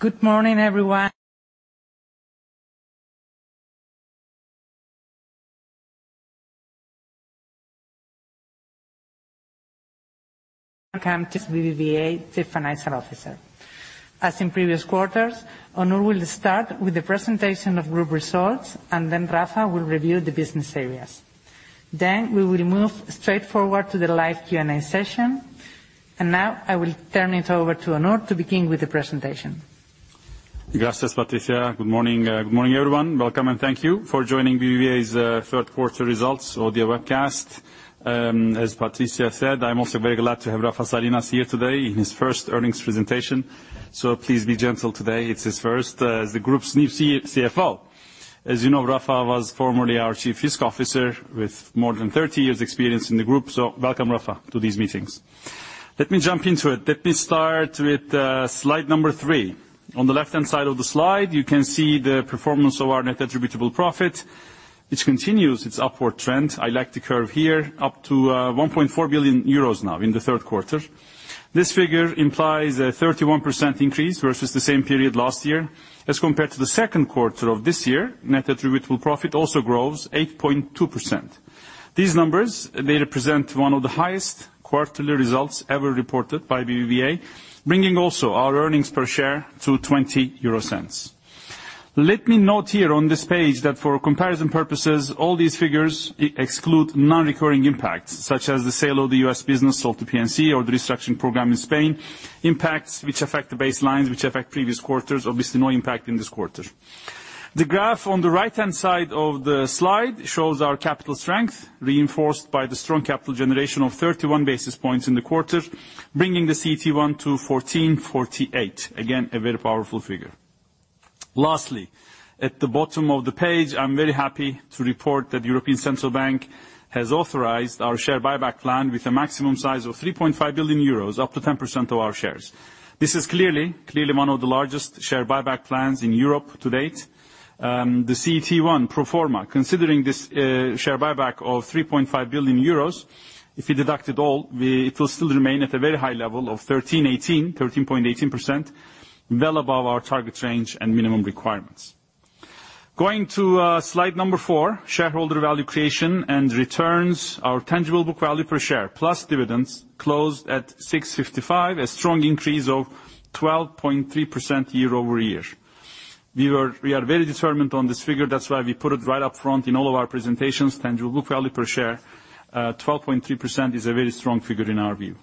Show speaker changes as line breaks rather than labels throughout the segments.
Good morning, everyone. Welcome to BBVA, Chief Financial Officer. As in previous quarters, Onur will start with the presentation of group results, and then Rafa will review the business areas. We will move straightforward to the live Q&A session. Now I will turn it over to Onur to begin with the presentation.
Gracias, Patricia. Good morning. Good morning, everyone. Welcome, and thank you for joining BBVA's third quarter results audio webcast. As Patricia said, I'm also very glad to have Rafa Salinas here today in his first earnings presentation. Please be gentle today, it's his first as the group's new CFO. As you know, Rafa was formerly our chief risk officer with more than 30 years experience in the group. Welcome, Rafa, to these meetings. Let me jump into it. Let me start with slide number three. On the left-hand side of the slide, you can see the performance of our net attributable profit, which continues its upward trend. I like the curve here, up to 1.4 billion euros now in the third quarter. This figure implies a 31% increase versus the same period last year. As compared to the second quarter of this year, net attributable profit also grows 8.2%. These numbers, they represent one of the highest quarterly results ever reported by BBVA, bringing also our earnings per share to €0.20. Let me note here on this page that for comparison purposes, all these figures exclude non-recurring impacts, such as the sale of the U.S. business or the PNC or the restructuring program in Spain, impacts which affect the baselines, which affect previous quarters, obviously no impact in this quarter. The graph on the right-hand side of the slide shows our capital strength, reinforced by the strong capital generation of 31 basis points in the quarter, bringing the CET1 to 14.48. Again, a very powerful figure. Lastly, at the bottom of the page, I'm very happy to report that European Central Bank has authorized our share buyback plan with a maximum size of 3.5 billion euros, up to 10% of our shares. This is clearly one of the largest share buyback plans in Europe to date. The CET1 pro forma, considering this, share buyback of 3.5 billion euros, if you deduct it all, it will still remain at a very high level of 13.18%, well above our target range and minimum requirements. Going to slide number four, shareholder value creation and returns. Our tangible book value per share plus dividends closed at 6.55, a strong increase of 12.3% year-over-year. We are very determined on this figure. That's why we put it right up front in all of our presentations. Tangible book value per share, 12.3% is a very strong figure in our view.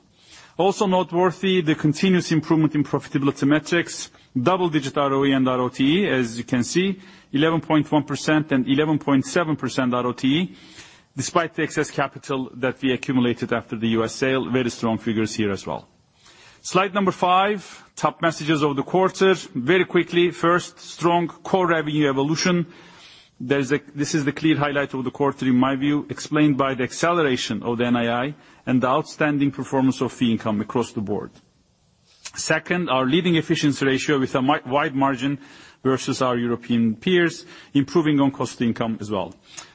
Also noteworthy, the continuous improvement in profitability metrics, double-digit ROE and ROTE, as you can see, 11.1% and 11.7% ROTE, despite the excess capital that we accumulated after the U.S. sale. Very strong figures here as well. Slide five, top messages over the quarter. Very quickly, first, strong core revenue evolution. This is the clear highlight of the quarter, in my view, explained by the acceleration of the NII and the outstanding performance of fee income across the board. Second, our leading efficiency ratio with a wide margin versus our European peers, improving on cost-income as well.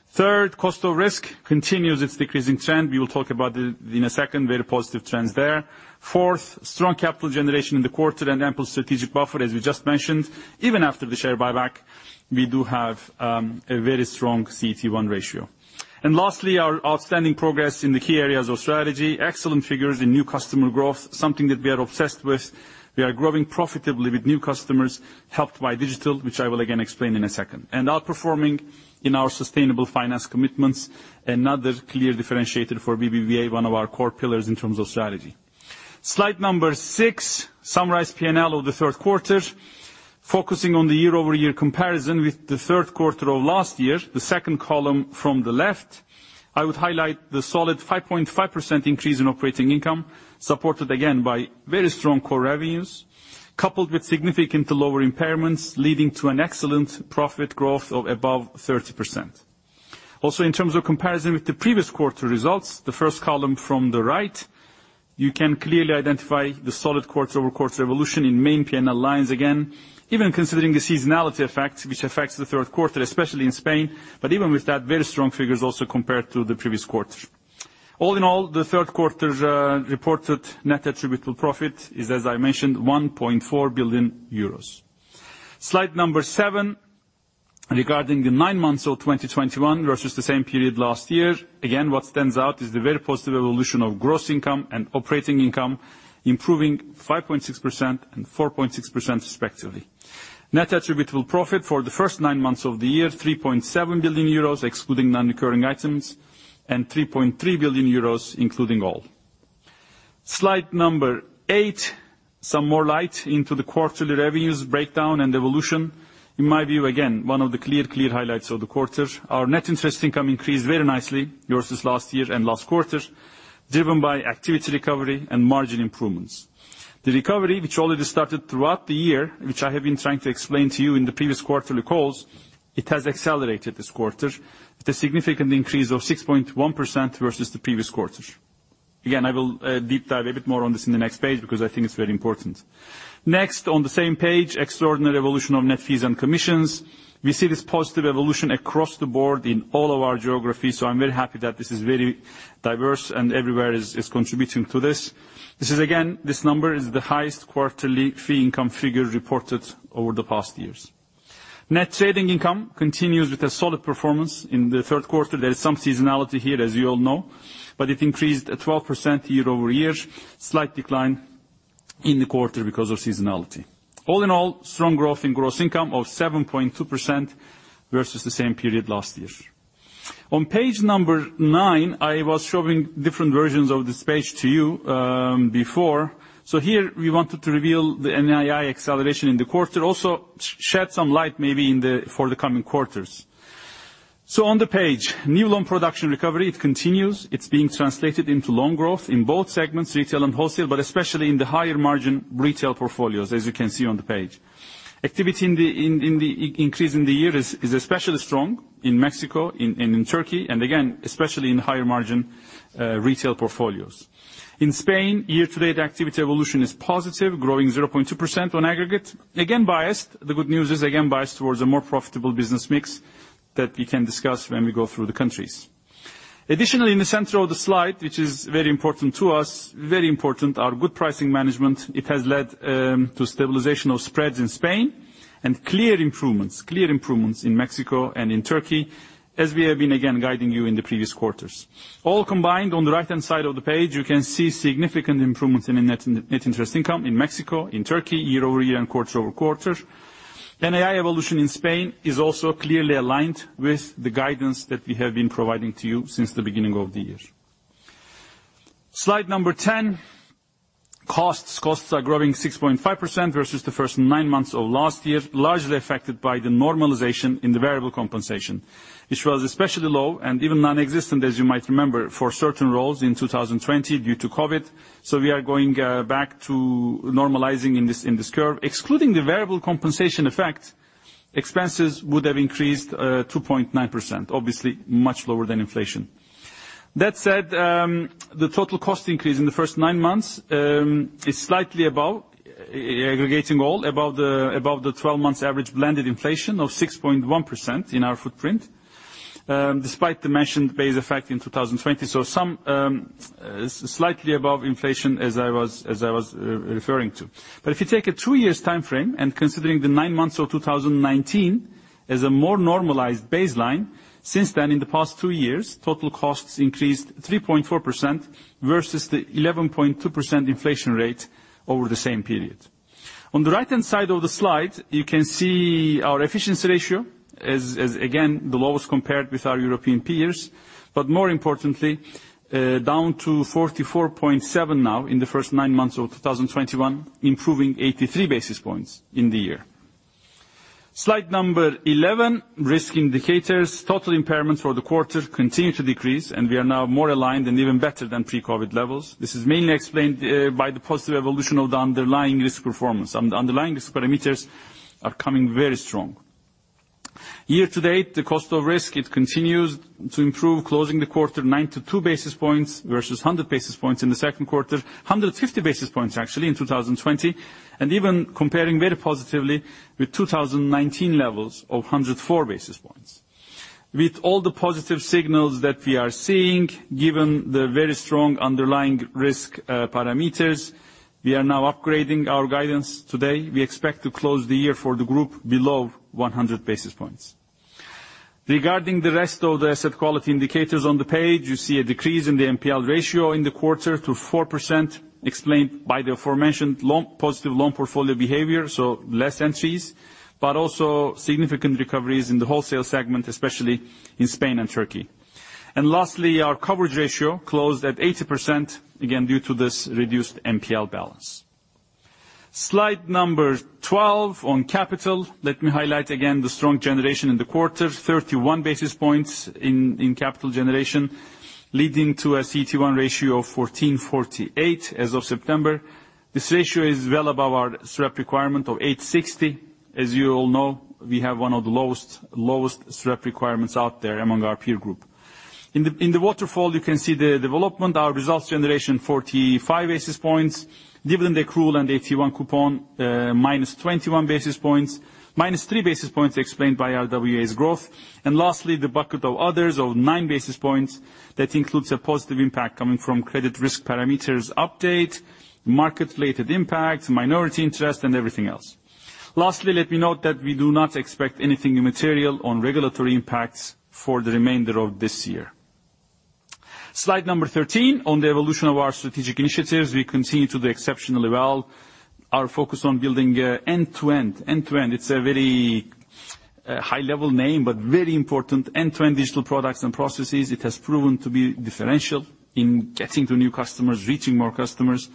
Third, cost of risk continues its decreasing trend. We will talk about it in a second. Very positive trends there. Fourth, strong capital generation in the quarter and ample strategic buffer, as we just mentioned. Even after the share buyback, we do have a very strong CET1 ratio. Lastly, our outstanding progress in the key areas of strategy, excellent figures in new customer growth, something that we are obsessed with. We are growing profitably with new customers helped by digital, which I will again explain in a second, and outperforming in our sustainable finance commitments, another clear differentiator for BBVA, one of our core pillars in terms of strategy. Slide number six, summarized P&L of the third quarter, focusing on the year-over-year comparison with the third quarter of last year, the second column from the left. I would highlight the solid 5.5% increase in operating income, supported again by very strong core revenues, coupled with significant lower impairments, leading to an excellent profit growth of above 30%. In terms of comparison with the previous quarter results, the first column from the right, you can clearly identify the solid quarter-over-quarter evolution in main P&L lines again. Even considering the seasonality effect, which affects the third quarter, especially in Spain, but even with that, very strong figures also compared to the previous quarter. All in all, the third quarter's reported net attributable profit is, as I mentioned, 1.4 billion euros. Slide number seven, regarding the nine months of 2021 versus the same period last year. What stands out is the very positive evolution of gross income and operating income, improving 5.6% and 4.6% respectively. Net attributable profit for the first nine months of the year, 3.7 billion euros excluding non-recurring items, and 3.3 billion euros including all. Slide eight sheds more light on the quarterly revenues breakdown and evolution. In my view, again, one of the clear highlights of the quarter. Our net interest income increased very nicely versus last year and last quarter, driven by activity recovery and margin improvements. The recovery, which already started throughout the year, which I have been trying to explain to you in the previous quarterly calls, it has accelerated this quarter with a significant increase of 6.1% versus the previous quarter. Again, I will deep dive a bit more on this in the next page because I think it's very important. Next, on the same page, extraordinary evolution of net fees and commissions. We see this positive evolution across the board in all of our geographies, so I'm very happy that this is very diverse and everywhere is contributing to this. This is again, this number is the highest quarterly fee income figure reported over the past years. Net trading income continues with a solid performance in the third quarter. There is some seasonality here, as you all know, but it increased at 12% year-over-year. Slight decline in the quarter because of seasonality. All in all, strong growth in gross income of 7.2% versus the same period last year. On page number nine, I was showing different versions of this page to you before. Here we wanted to reveal the NII acceleration in the quarter, also shed some light maybe for the coming quarters. On the page, new loan production recovery, it continues. It's being translated into loan growth in both segments, retail and wholesale, but especially in the higher margin retail portfolios, as you can see on the page. Activity in the increase in the year is especially strong in Mexico and in Turkey, and again, especially in higher margin retail portfolios. In Spain, year-to-date activity evolution is positive, growing 0.2% on aggregate. Biased, the good news is again biased towards a more profitable business mix that we can discuss when we go through the countries. Additionally, in the center of the slide, which is very important to us, our good pricing management has led to stabilization of spreads in Spain and clear improvements in Mexico and in Turkey, as we have been again guiding you in the previous quarters. All combined on the right-hand side of the page, you can see significant improvements in the net interest income in Mexico, in Turkey, year-over-year and quarter-over-quarter. NII evolution in Spain is also clearly aligned with the guidance that we have been providing to you since the beginning of the year. Slide number 10, costs. Costs are growing 6.5% versus the first nine months of last year, largely affected by the normalization in the variable compensation, which was especially low and even non-existent, as you might remember, for certain roles in 2020 due to COVID. We are going back to normalizing in this curve. Excluding the variable compensation effect, expenses would have increased 2.9%, obviously much lower than inflation. That said, the total cost increase in the first nine months is slightly above, aggregating all, above the 12 months average blended inflation of 6.1% in our footprint, despite the mentioned base effect in 2020. Slightly above inflation as I was referring to. If you take a two-year time frame and considering the nine months of 2019 as a more normalized baseline, since then in the past two years, total costs increased 3.4% versus the 11.2% inflation rate over the same period. On the right-hand side of the slide, you can see our efficiency ratio as again the lowest compared with our European peers. More importantly, down to 44.7 now in the first nine months of 2021, improving 83 basis points in the year. Slide 11, risk indicators. Total impairments for the quarter continue to decrease, and we are now more aligned and even better than pre-COVID levels. This is mainly explained by the positive evolution of the underlying risk performance. The underlying risk parameters are coming very strong. Year-to-date, the cost of risk, it continues to improve, closing the quarter 92 basis points versus 100 basis points in the second quarter. 150 basis points actually in 2020, and even comparing very positively with 2019 levels of 104 basis points. With all the positive signals that we are seeing, given the very strong underlying risk parameters, we are now upgrading our guidance today. We expect to close the year for the group below 100 basis points. Regarding the rest of the asset quality indicators on the page, you see a decrease in the NPL ratio in the quarter to 4% explained by the aforementioned loan, positive loan portfolio behavior, so less entries, but also significant recoveries in the wholesale segment, especially in Spain and Turkey. Lastly, our coverage ratio closed at 80%, again due to this reduced NPL balance. Slide 12 on capital. Let me highlight again the strong generation in the quarter. 31 basis points in capital generation leading to a CET1 ratio of 14.48 as of September. This ratio is well above our SREP requirement of 8.60. As you all know, we have one of the lowest SREP requirements out there among our peer group. In the waterfall, you can see the development. Our results generation 45 basis points. Dividend accrual and the AT1 coupon, -21 basis points. -3 basis points explained by our RWA's growth. Lastly, the bucket of others of 9 basis points that includes a positive impact coming from credit risk parameters update, market-related impact, minority interest, and everything else. Lastly, let me note that we do not expect anything immaterial on regulatory impacts for the remainder of this year. Slide number 13 on the evolution of our strategic initiatives. We continue to do exceptionally well. Our focus on building end-to-end, it's a very high level name, but very important end-to-end digital products and processes. It has proven to be differential in getting to new customers, reaching more customers.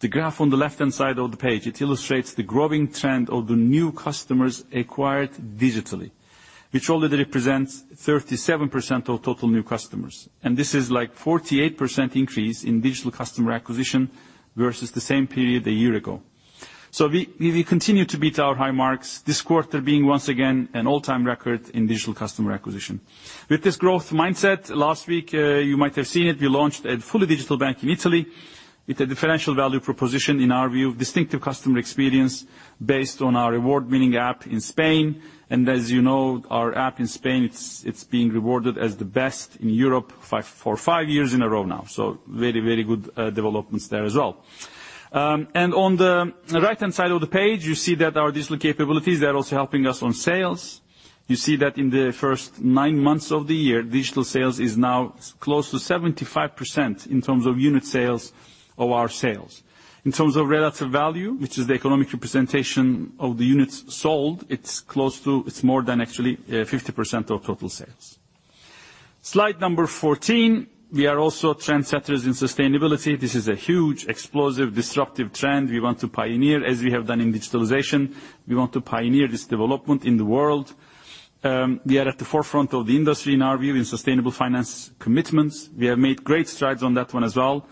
The graph on the left-hand side of the page, it illustrates the growing trend of the new customers acquired digitally, which already represents 37% of total new customers. This is like 48% increase in digital customer acquisition versus the same period a year ago. We will continue to beat our high marks this quarter being, once again, an all-time record in digital customer acquisition. With this growth mindset, last week, you might have seen it, we launched a fully digital bank in Italy with a differential value proposition, in our view, distinctive customer experience based on our award-winning app in Spain. As you know, our app in Spain, it's being rewarded as the best in Europe for five years in a row now. Very, very good developments there as well. On the right-hand side of the page, you see that our digital capabilities, they're also helping us on sales. You see that in the first nine months of the year, digital sales is now close to 75% in terms of unit sales of our sales. In terms of relative value, which is the economic representation of the units sold, it's more than actually 50% of total sales. Slide number 14, we are also trendsetters in sustainability. This is a huge explosive, disruptive trend we want to pioneer, as we have done in digitalization. We want to pioneer this development in the world. We are at the forefront of the industry, in our view, in sustainable finance commitments. We have made great strides on that one as well.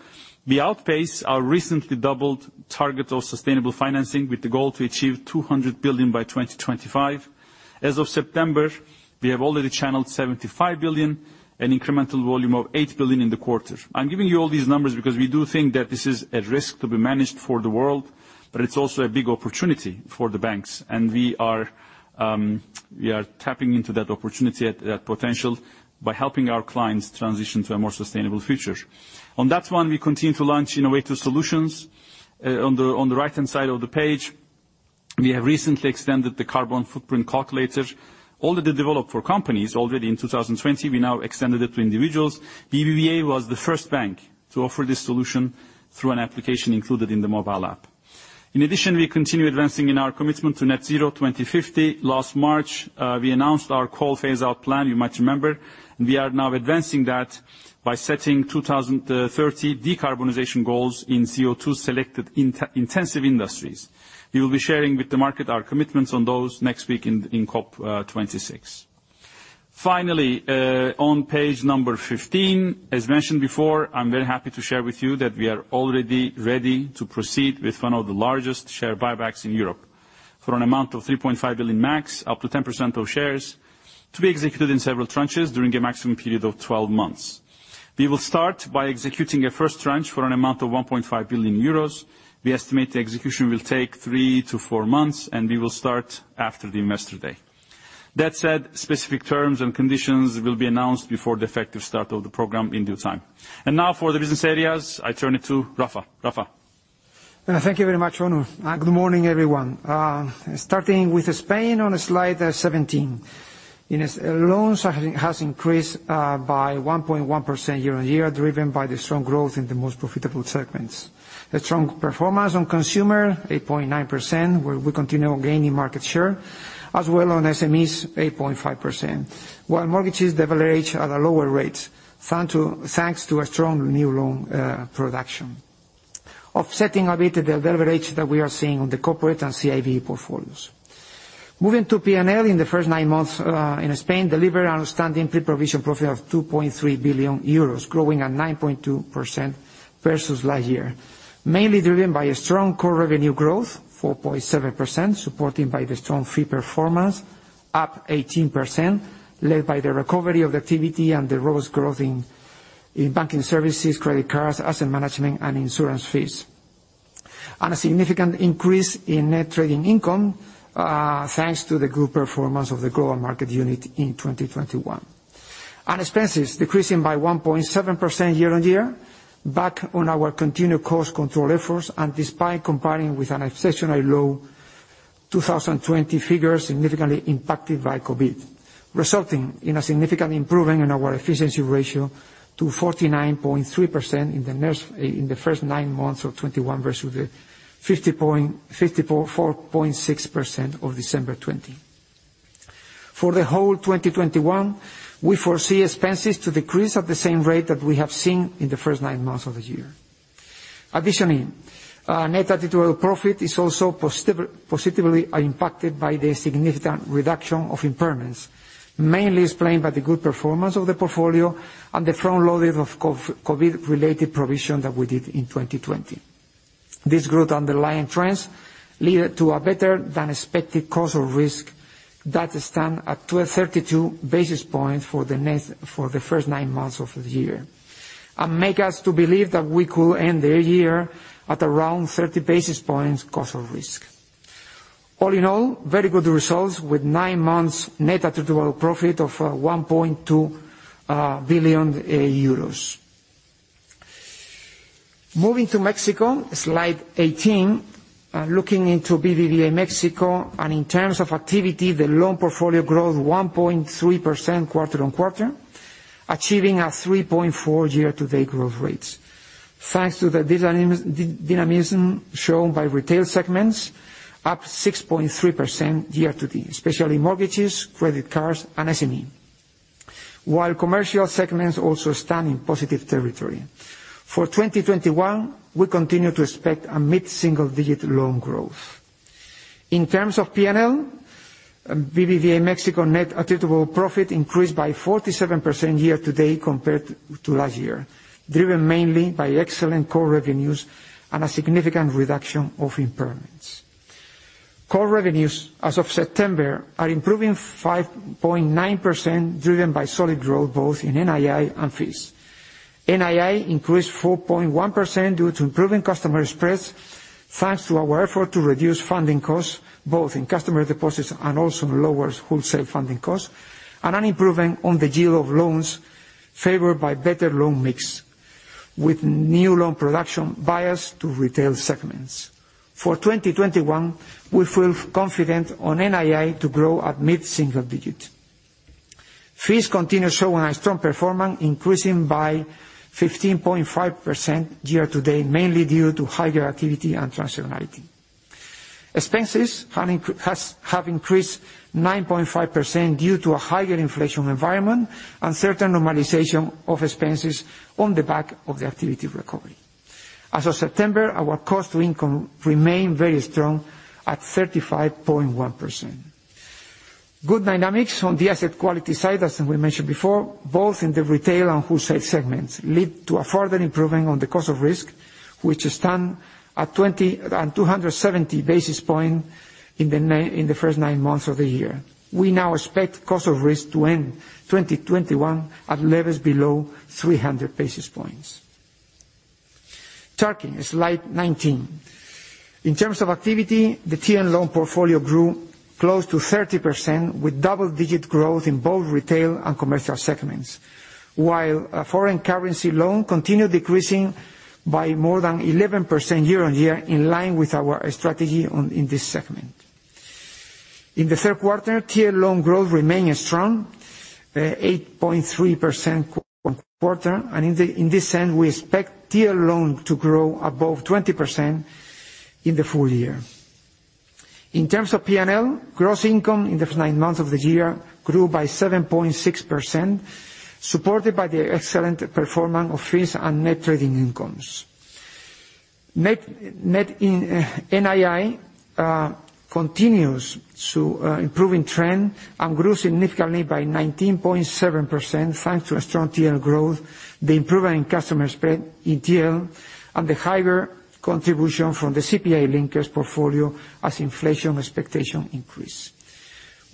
We outpace our recently doubled target of sustainable financing with the goal to achieve 200 billion by 2025. As of September, we have already channeled 75 billion, an incremental volume of 8 billion in the quarter. I'm giving you all these numbers because we do think that this is a risk to be managed for the world, but it's also a big opportunity for the banks. We are tapping into that opportunity, that potential by helping our clients transition to a more sustainable future. On that one, we continue to launch innovative solutions. On the right-hand side of the page, we have recently extended the carbon footprint calculator, already developed for companies, already in 2020, we now extended it to individuals. BBVA was the first bank to offer this solution through an application included in the mobile app. In addition, we continue advancing in our commitment to Net Zero 2050. Last March, we announced our coal phase out plan, you might remember. We are now advancing that by setting 2030 decarbonization goals in CO2 selected intensive industries. We will be sharing with the market our commitments on those next week in COP26. Finally, on page 15, as mentioned before, I'm very happy to share with you that we are already ready to proceed with one of the largest share buybacks in Europe for an amount of 3.5 billion max, up to 10% of shares to be executed in several tranches during a maximum period of 12 months. We will start by executing a first tranche for an amount of 1.5 billion euros. We estimate the execution will take 3-4 months, and we will start after the investor day. That said, specific terms and conditions will be announced before the effective start of the program in due time. Now for the business areas, I turn it to Rafa. Rafa?
Thank you very much, Onur, and good morning, everyone. Starting with Spain on slide 17. In Spain, loans have increased by 1.1% year-on-year, driven by the strong growth in the most profitable segments. The strong performance on consumer, 8.9%, where we continue gaining market share, as well on SMEs, 8.5%. While mortgages deleverage at a lower rate, thanks to a strong new loan production. Offsetting a bit the deleverage that we are seeing on the corporate and CIB portfolios. Moving to P&L in the first nine months in Spain, delivered outstanding pre-provision profit of 2.3 billion euros, growing at 9.2% versus last year. Mainly driven by a strong core revenue growth, 4.7%, supported by the strong fee performance, up 18%, led by the recovery of activity and the robust growth in banking services, credit cards, asset management, and insurance fees. A significant increase in net trading income, thanks to the group performance of the global market unit in 2021. Expenses decreasing by 1.7% year-on-year, back on our continued cost control efforts, and despite comparing with an exceptionally low 2020 figures significantly impacted by COVID, resulting in a significant improvement in our efficiency ratio to 49.3% in the first nine months of 2021 versus the 54.6% of December 2020. For the whole 2021, we foresee expenses to decrease at the same rate that we have seen in the first nine months of the year. Additionally, net attributable profit is also positively impacted by the significant reduction of impairments, mainly explained by the good performance of the portfolio and the front loading of COVID-related provision that we did in 2020. This growth underlying trends lead to a better than expected cost of risk that stand at 12.32 basis points for the first nine months of the year, and make us to believe that we could end the year at around 30 basis points cost of risk. All in all, very good results with nine months net attributable profit of 1.2 billion euros. Moving to Mexico, slide 18. Looking into BBVA México, in terms of activity, the loan portfolio growth 1.3% quarter-on-quarter, achieving a 3.4 year-to-date growth rates. Thanks to the dynamism shown by retail segments, up 6.3% year-to-date, especially mortgages, credit cards, and SME. While commercial segments also stand in positive territory. For 2021, we continue to expect a mid-single digit loan growth. In terms of P&L, BBVA México net attributable profit increased by 47% year-to-date compared to last year, driven mainly by excellent core revenues and a significant reduction of impairments. Core revenues as of September are improving 5.9%, driven by solid growth both in NII and fees. NII increased 4.1% due to improving customer spreads, thanks to our effort to reduce funding costs, both in customer deposits and also lower wholesale funding costs, and an improvement on the yield of loans favored by better loan mix, with new loan production bias to retail segments. For 2021, we feel confident on NII to grow at mid-single digits. Fees continue showing a strong performance, increasing by 15.5% year-to-date, mainly due to higher activity and transactionality. Expenses have increased 9.5% due to a higher inflation environment and certain normalization of expenses on the back of the activity recovery. As of September, our cost-to-income remained very strong at 35.1%. Good dynamics on the asset quality side, as we mentioned before, both in the retail and wholesale segments, lead to a further improvement on the cost of risk, which stand at 270 basis points in the first nine months of the year. We now expect cost of risk to end 2021 at levels below 300 basis points. Turkey, slide 19. In terms of activity, the TL loan portfolio grew close to 30% with double-digit growth in both retail and commercial segments, while a foreign currency loan continued decreasing by more than 11% year-on-year, in line with our strategy on, in this segment. In the third quarter, TL loan growth remained strong, 8.3% quarter-on-quarter, and in the end, we expect TL loan to grow above 20% in the full year. In terms of P&L, gross income in the nine months of the year grew by 7.6%, supported by the excellent performance of fees and net trading incomes. NII continues its improving trend and grew significantly by 19.7% thanks to a strong TL growth, the improvement in customer spread in TL, and the higher contribution from the CPI-linked portfolio as inflation expectations increase.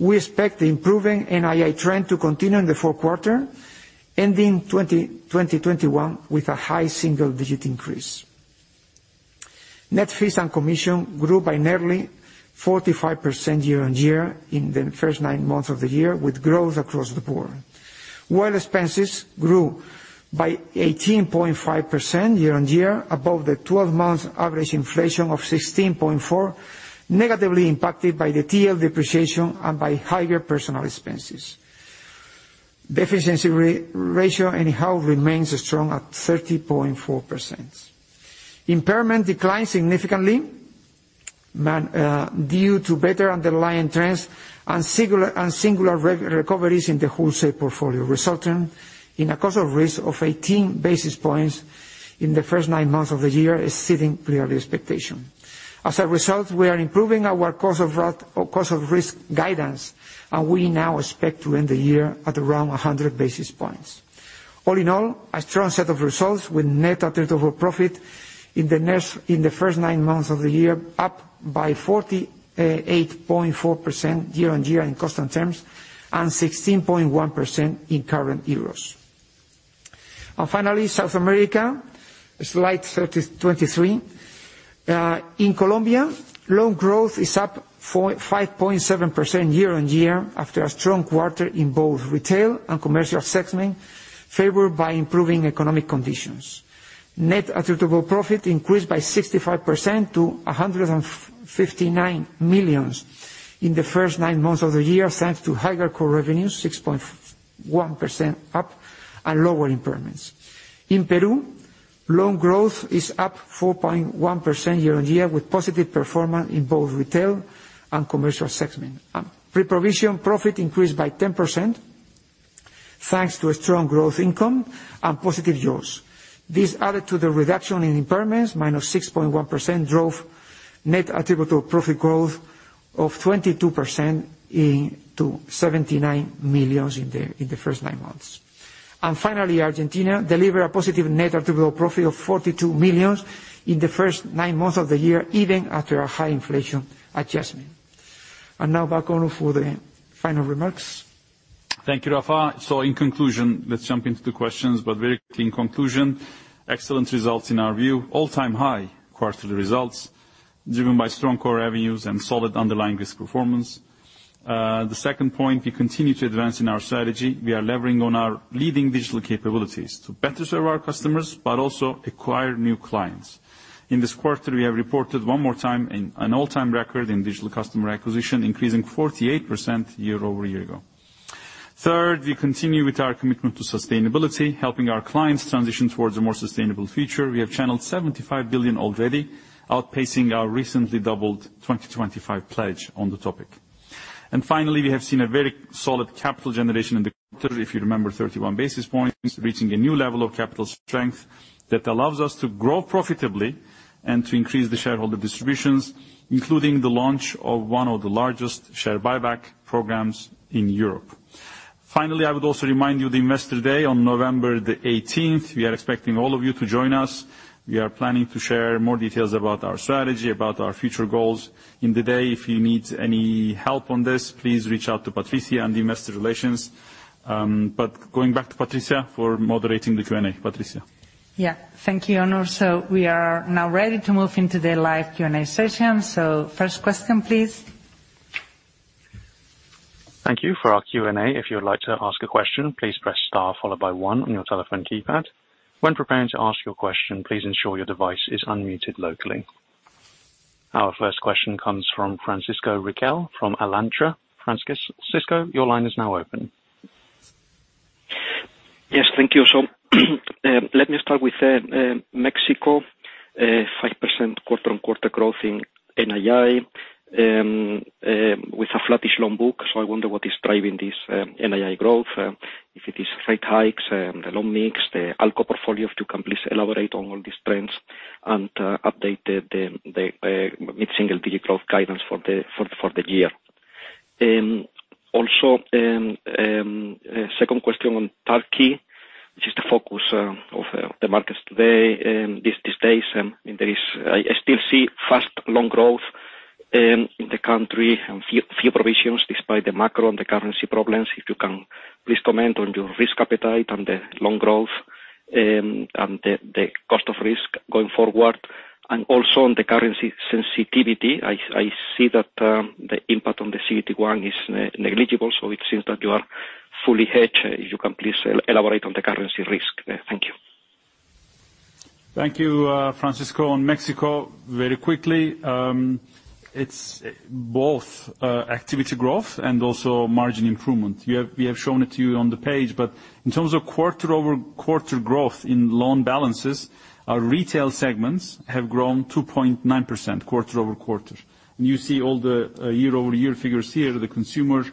We expect the improving NII trend to continue in the fourth quarter, ending 2021 with a high single-digit increase. Net fees and commission grew by nearly 45% year-on-year in the first nine months of the year, with growth across the board. While expenses grew by 18.5% year-on-year above the 12-month average inflation of 16.4%, negatively impacted by the TL depreciation and by higher personal expenses. Efficiency ratio, anyhow, remains strong at 30.4%. Impairment declined significantly due to better underlying trends and singular recoveries in the wholesale portfolio, resulting in a cost of risk of 18 basis points in the first nine months of the year, exceeding prior expectation. As a result, we are improving our cost of risk guidance, and we now expect to end the year at around 100 basis points. All in all, a strong set of results with net attributable profit in the first nine months of the year, up by 48.4% year-on-year in constant terms and 16.1% in current EUR. Finally, South America, slide 23. In Colombia, loan growth is up by 5.7% year-on-year after a strong quarter in both retail and commercial segment, favored by improving economic conditions. Net attributable profit increased by 65% to 159 million in the first nine months of the year, thanks to higher core revenues, 6.1% up, and lower impairments. In Peru, loan growth is up 4.1% year-on-year, with positive performance in both retail and commercial segment. Pre-provision profit increased by 10%, thanks to a strong growth income and positive yields. This added to the reduction in impairments, -6.1%, drove net attributable profit growth of 22% to 79 million in the first nine months. Argentina delivered a positive net attributable profit of 42 million in the first nine months of the year, even after a high inflation adjustment. Now back to Onur for the final remarks.
Thank you, Rafa. In conclusion, let's jump into the questions, but very clean conclusion. Excellent results in our view. All-time high quarterly results, driven by strong core revenues and solid underlying risk performance. The second point, we continue to advance in our strategy. We are leveraging on our leading digital capabilities to better serve our customers but also acquire new clients. In this quarter, we have reported one more time an all-time record in digital customer acquisition, increasing 48% year-over-year. Third, we continue with our commitment to sustainability, helping our clients transition towards a more sustainable future. We have channeled 75 billion already, outpacing our recently doubled 2025 pledge on the topic. Finally, we have seen a very solid capital generation in the quarter, if you remember, 31 basis points, reaching a new level of capital strength that allows us to grow profitably and to increase the shareholder distributions, including the launch of one of the largest share buyback programs in Europe. Finally, I would also remind you the Investor Day on November 18, we are expecting all of you to join us. We are planning to share more details about our strategy, about our future goals in the day. If you need any help on this, please reach out to Patricia in the investor relations. Going back to Patricia for moderating the Q&A. Patricia?
Yeah. Thank you, Onur. We are now ready to move into the live Q&A session. First question, please.
Thank you. For our Q&A, if you would like to ask a question, please press star followed by one on your telephone keypad. When preparing to ask your question, please ensure your device is unmuted locally. Our first question comes from Francisco Riquel from Alantra. Francisco, your line is now open.
Yes, thank you. Let me start with Mexico. 5% quarter-on-quarter growth in NII with a flattish loan book. I wonder what is driving this NII growth, if it is rate hikes, the loan mix, the ALCO portfolio. If you can please elaborate on all these trends and update the mid-single-digit growth guidance for the year. Also, second question on Turkey, which is the focus of the markets today, these days. I still see fast loan growth in the country and few provisions despite the macro and the currency problems. If you can please comment on your risk appetite and the loan growth and the cost of risk going forward. Also on the currency sensitivity, I see that the impact on the CET1 is negligible, so it seems that you are fully hedged. If you can please elaborate on the currency risk. Thank you.
Thank you, Francisco. On Mexico, very quickly, it's both activity growth and also margin improvement. We have shown it to you on the page, but in terms of quarter-over-quarter growth in loan balances, our retail segments have grown 2.9% quarter-over-quarter. You see all the year-over-year figures here. The consumer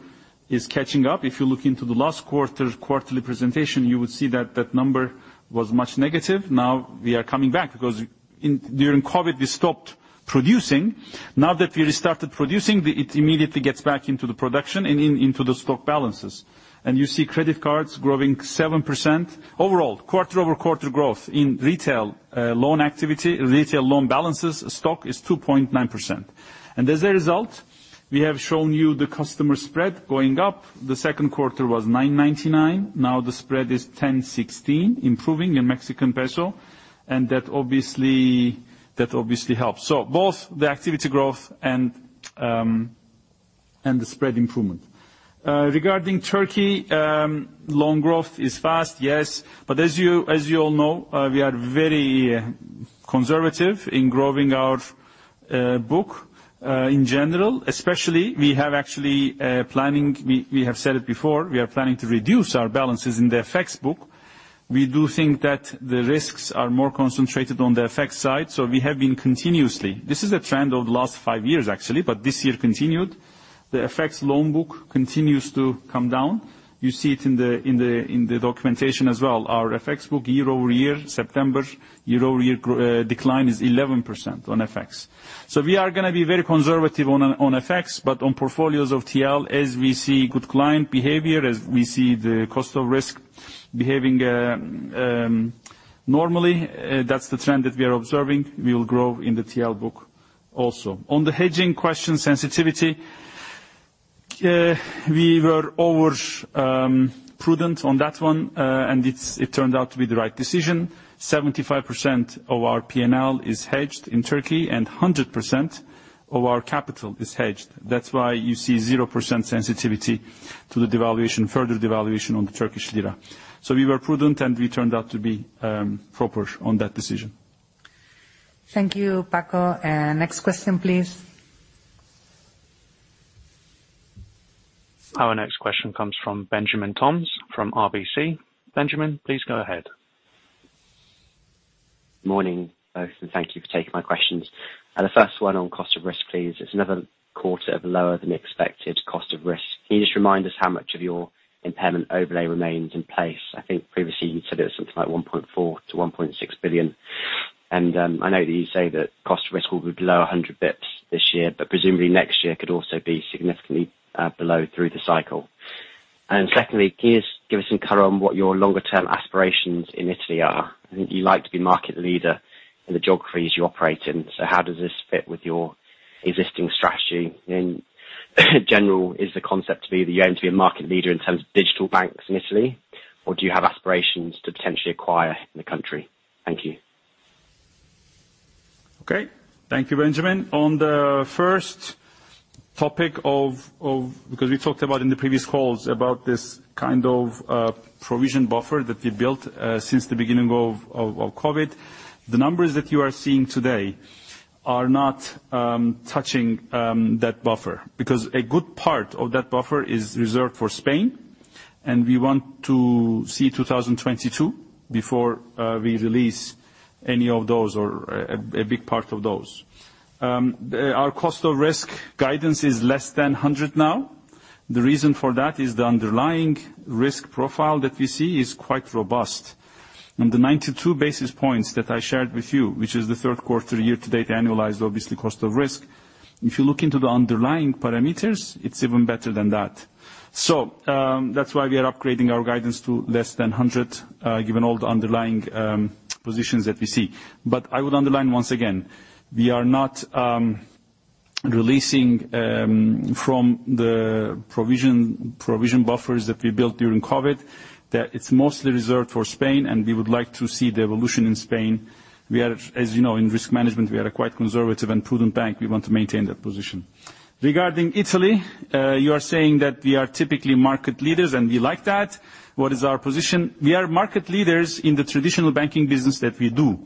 is catching up. If you look into the last quarter quarterly presentation, you would see that that number was much negative. Now we are coming back because during COVID, we stopped producing. Now that we restarted producing, it immediately gets back into the production and into the stock balances. You see credit cards growing 7%. Overall, quarter-over-quarter growth in retail loan activity, retail loan balances stock is 2.9%. As a result, we have shown you the customer spread going up. The second quarter was 9.99, now the spread is 10.16, improving in Mexican peso, and that obviously helps. Both the activity growth and the spread improvement. Regarding Turkey, loan growth is fast, yes. As you all know, we are very conservative in growing our book in general. Especially, we have said it before, we are planning to reduce our balances in the FX book. We do think that the risks are more concentrated on the FX side, so we have been continuously. This is a trend of the last five years actually, but this year continued. The FX loan book continues to come down. You see it in the documentation as well. Our FX book year-over-year, September year-over-year decline is 11% on FX. We are gonna be very conservative on FX, but on portfolios of TL, as we see good client behavior, as we see the cost of risk behaving normally, that's the trend that we are observing. We will grow in the TL book also. On the hedging question sensitivity, we were overly prudent on that one. It turned out to be the right decision. 75% of our P&L is hedged in Turkey, and 100% of our capital is hedged. That's why you see 0% sensitivity to the devaluation, further devaluation on the Turkish lira. We were prudent, and we turned out to be proper on that decision.
Thank you, Paco. Next question, please.
Our next question comes from Benjamin Toms from RBC. Benjamin, please go ahead.
Morning, both, and thank you for taking my questions. The first one on cost of risk, please. It's another quarter of lower than expected cost of risk. Can you just remind us how much of your impairment overlay remains in place? I think previously you said it was something like 1.4 billion-1.6 billion. I know that you say that cost of risk will be below 100 basis points this year, but presumably next year could also be significantly below through the cycle. Secondly, can you just give us some color on what your longer term aspirations in Italy are? I think you like to be market leader in the geographies you operate in, so how does this fit with your existing strategy? In general, is the concept or the aim to be a market leader in terms of digital banks in Italy, or do you have aspirations to potentially acquire in the country? Thank you.
Okay. Thank you, Benjamin. On the first topic because we talked about in the previous calls about this kind of provision buffer that we built since the beginning of COVID. The numbers that you are seeing today are not touching that buffer because a good part of that buffer is reserved for Spain. We want to see 2022 before we release any of those or a big part of those. Our cost of risk guidance is less than 100 now. The reason for that is the underlying risk profile that we see is quite robust. The 92 basis points that I shared with you, which is the third quarter year-to-date, annualized, obviously cost of risk. If you look into the underlying parameters, it's even better than that. That's why we are upgrading our guidance to less than 100, given all the underlying positions that we see. I would underline once again, we are not releasing from the provision buffers that we built during COVID, that it's mostly reserved for Spain, and we would like to see the evolution in Spain. We are, as you know, in risk management, we are a quite conservative and prudent bank. We want to maintain that position. Regarding Italy, you are saying that we are typically market leaders, and we like that. What is our position? We are market leaders in the traditional banking business that we do.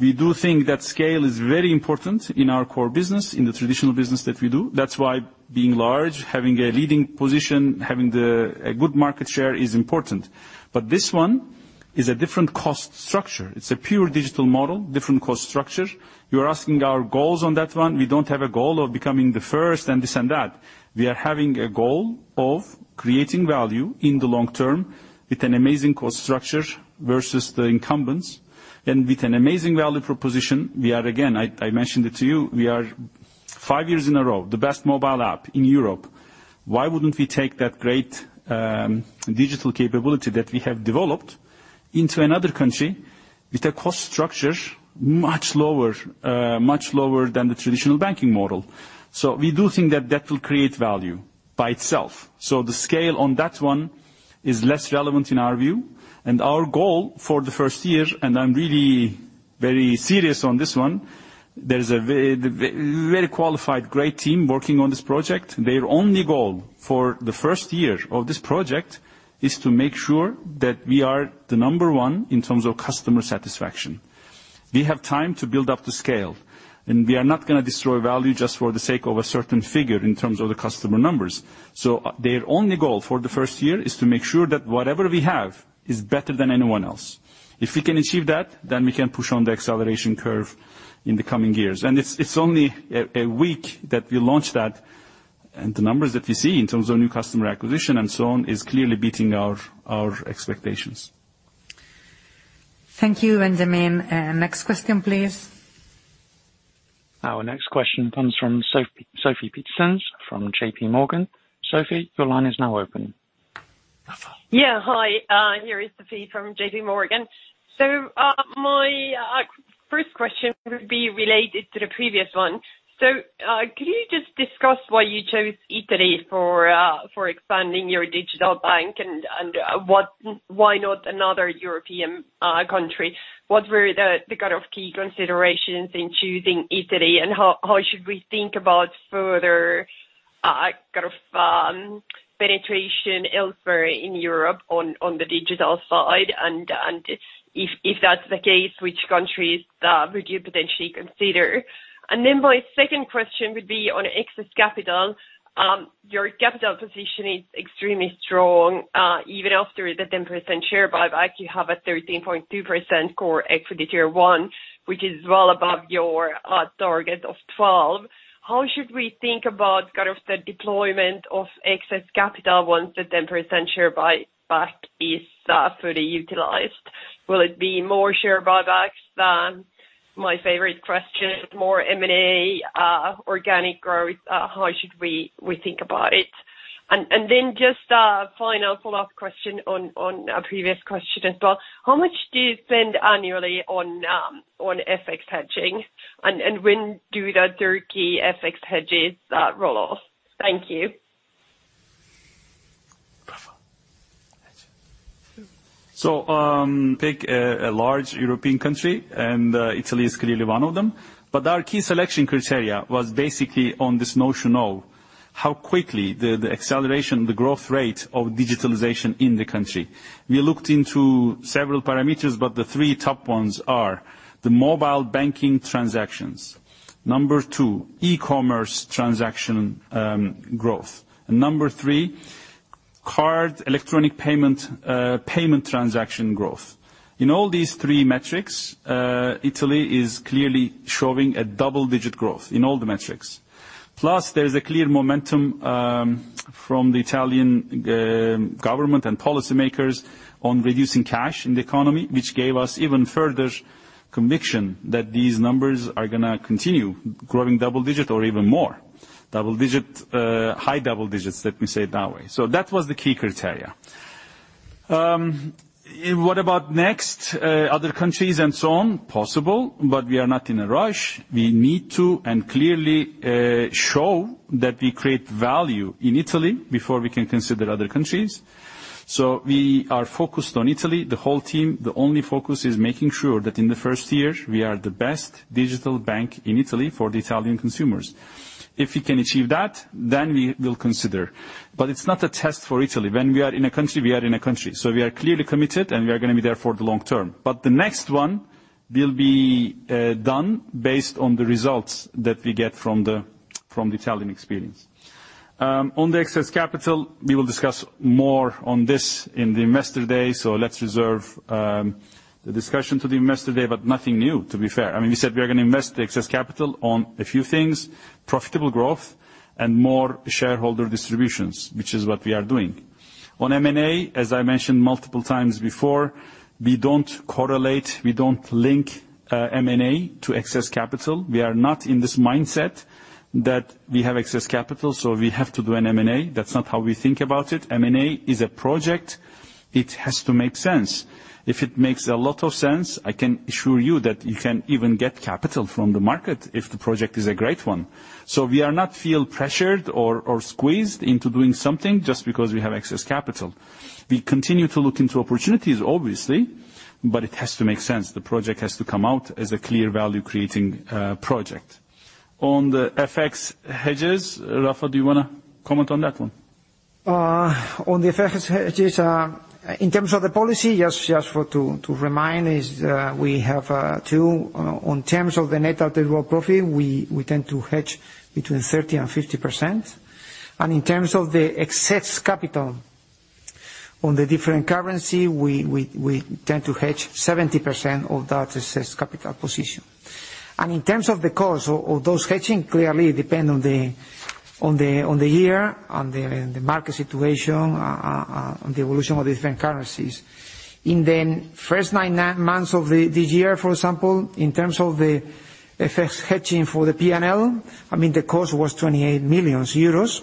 We do think that scale is very important in our core business, in the traditional business that we do. That's why being large, having a leading position, having a good market share is important. This one is a different cost structure. It's a pure digital model, different cost structure. You're asking our goals on that one. We don't have a goal of becoming the first and this and that. We are having a goal of creating value in the long term with an amazing cost structure versus the incumbents. With an amazing value proposition, we are again, I mentioned it to you, we are five years in a row, the best mobile app in Europe. Why wouldn't we take that great digital capability that we have developed into another country with a cost structure much lower, much lower than the traditional banking model? We do think that that will create value by itself. The scale on that one is less relevant in our view. Our goal for the first year, and I'm really very serious on this one, there's a very qualified great team working on this project. Their only goal for the first year of this project is to make sure that we are the number one in terms of customer satisfaction. We have time to build up the scale, and we are not gonna destroy value just for the sake of a certain figure in terms of the customer numbers. Their only goal for the first year is to make sure that whatever we have is better than anyone else. If we can achieve that, then we can push on the acceleration curve in the coming years. It's only a week that we launched that, and the numbers that we see in terms of new customer acquisition and so on is clearly beating our expectations.
Thank you, Benjamin. Next question, please.
Our next question comes from Sofie Peterzens from JP Morgan. Sofie, your line is now open.
Yeah. Hi, here is Sophie from JP Morgan. My first question would be related to the previous one. Could you just discuss why you chose Italy for expanding your digital bank and why not another European country? What were the kind of key considerations in choosing Italy, and how should we think about further kind of penetration elsewhere in Europe on the digital side? If that's the case, which countries would you potentially consider? My second question would be on excess capital. Your capital position is extremely strong even after the 10% share buyback. You have a 13.2% core equity tier one, which is well above your target of 12%. How should we think about kind of the deployment of excess capital once the 10% share buyback is fully utilized? Will it be more share buybacks? My favorite question, more M&A, organic growth, how should we think about it? Final follow-up question on a previous question as well. How much do you spend annually on FX hedging? When do the Turkey FX hedges roll off? Thank you.
Take a large European country, and Italy is clearly one of them. Our key selection criteria was basically on this notion of how quickly the acceleration, the growth rate of digitalization in the country. We looked into several parameters, but the three top ones are the mobile banking transactions. Number two, e-commerce transaction growth. Number three, card electronic payment transaction growth. In all these three metrics, Italy is clearly showing a double-digit growth in all the metrics. Plus, there is a clear momentum from the Italian government and policymakers on reducing cash in the economy, which gave us even further conviction that these numbers are gonna continue growing double digit or even more. Double digit high double digits, let me say it that way. That was the key criteria. What about next, other countries and so on? Possible, but we are not in a rush. We need to clearly show that we create value in Italy before we can consider other countries. We are focused on Italy, the whole team. The only focus is making sure that in the first year, we are the best digital bank in Italy for the Italian consumers. If we can achieve that, then we will consider. It's not a test for Italy. When we are in a country, we are in a country. We are clearly committed, and we are gonna be there for the long term. The next one will be done based on the results that we get from the Italian experience. On the excess capital, we will discuss more on this in the Investor Day, so let's reserve the discussion to the Investor Day, but nothing new to be fair. I mean, we said we are gonna invest the excess capital on a few things, profitable growth and more shareholder distributions, which is what we are doing. On M&A, as I mentioned multiple times before, we don't correlate, we don't link, M&A to excess capital. We are not in this mindset that we have excess capital, so we have to do an M&A. That's not how we think about it. M&A is a project. It has to make sense. If it makes a lot of sense, I can assure you that you can even get capital from the market if the project is a great one. We are not feeling pressured or squeezed into doing something just because we have excess capital. We continue to look into opportunities, obviously, but it has to make sense. The project has to come out as a clear value creating project. On the FX hedges, Rafa, do you wanna comment on that one?
On the FX hedges, in terms of the policy, yes, just to remind, we have two. In terms of the net interest margin, we tend to hedge 30%-50%. In terms of the excess capital on the different currency, we tend to hedge 70% of that excess capital position. In terms of the cost of those hedging clearly depend on the year, the market situation, on the evolution of the different currencies. In the first nine months of the year, for example, in terms of the FX hedging for the P&L, I mean, the cost was 28 million euros.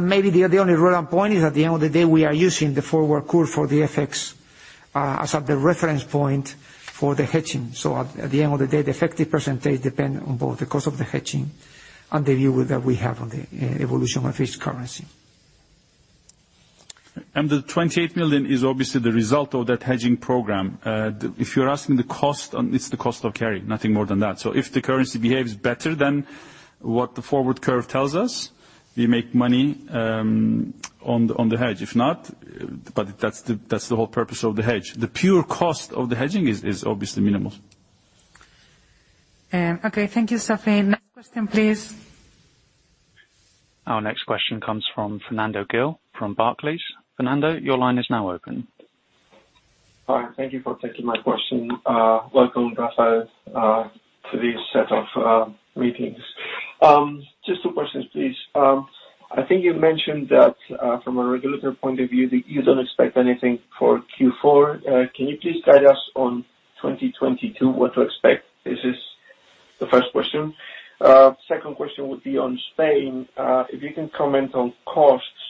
Maybe the only relevant point is at the end of the day, we are using the forward curve for the FX as at the reference point for the hedging. At the end of the day, the effective percentage depends on both the cost of the hedging and the view that we have on the evolution of each currency.
The 28 million is obviously the result of that hedging program. If you're asking the cost, it's the cost of carry, nothing more than that. If the currency behaves better than what the forward curve tells us, we make money on the hedge. If not, that's the whole purpose of the hedge. The pure cost of the hedging is obviously minimal.
Okay. Thank you, Sophie. Next question, please.
Our next question comes from Fernando Gil from Barclays. Fernando, your line is now open.
Hi, thank you for taking my question. Welcome, Rafael, to this set of meetings. Just two questions, please. I think you mentioned that from a regulatory point of view, that you don't expect anything for Q4. Can you please guide us on 2022, what to expect? This is the first question. Second question would be on Spain. If you can comment on costs,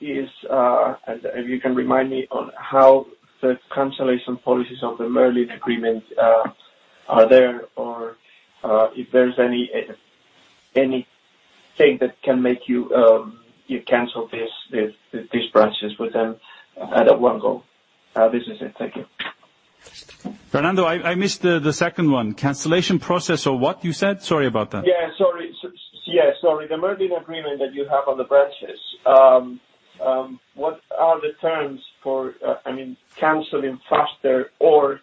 if you can remind me on how the cancellation policies of the Merlin agreement are there, or if there's anything that can make you cancel these branches with them at one go. This is it. Thank you.
Fernando, I missed the second one. Cancellation process or what you said? Sorry about that.
Yeah, sorry. Yes, sorry. The Merlin agreement that you have on the branches, what are the terms for, I mean, canceling faster or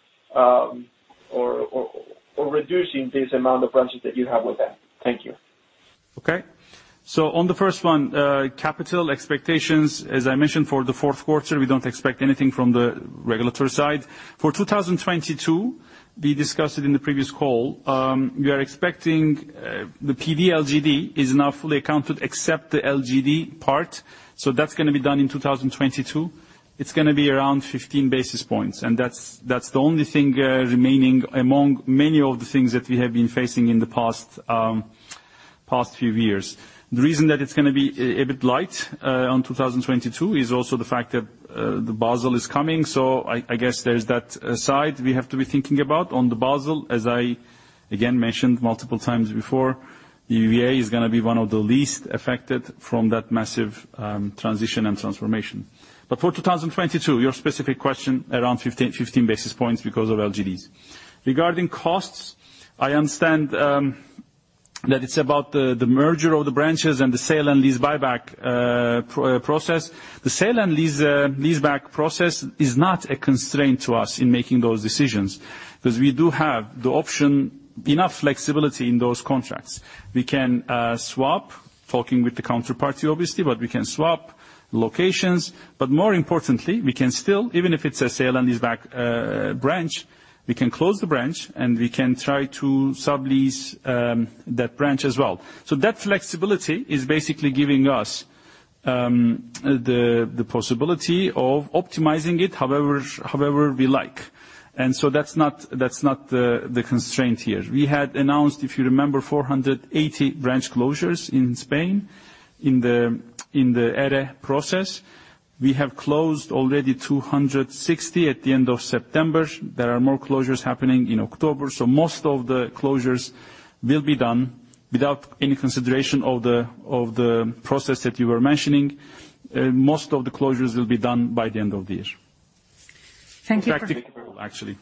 reducing this amount of branches that you have with them? Thank you.
Okay. On the first one, capital expectations, as I mentioned, for the fourth quarter, we don't expect anything from the regulatory side. For 2022, we discussed it in the previous call, we are expecting, the PD LGD is now fully accounted except the LGD part. That's gonna be done in 2022. It's gonna be around 15 basis points. That's the only thing remaining among many of the things that we have been facing in the past few years. The reason that it's gonna be a bit light on 2022 is also the fact that, the Basel is coming. I guess there's that side we have to be thinking about. On the Basel, as I again mentioned multiple times before, EVA is gonna be one of the least affected from that massive transition and transformation. For 2022, your specific question, around 15 basis points because of LGDs. Regarding costs, I understand that it's about the merger of the branches and the sale and lease back process. The sale and lease back process is not a constraint to us in making those decisions, because we do have the option, enough flexibility in those contracts. We can swap, talking with the counterparty, obviously, but we can swap locations, but more importantly, we can still, even if it's a sale and lease back branch, we can close the branch, and we can try to sublease that branch as well. That flexibility is basically giving us the possibility of optimizing it however we like. That's not the constraint here. We had announced, if you remember, 480 branch closures in Spain in the ERE process. We have closed already 260 at the end of September. There are more closures happening in October. Most of the closures will be done without any consideration of the process that you were mentioning. Most of the closures will be done by the end of the year.
Thank you--
Practically all, actually.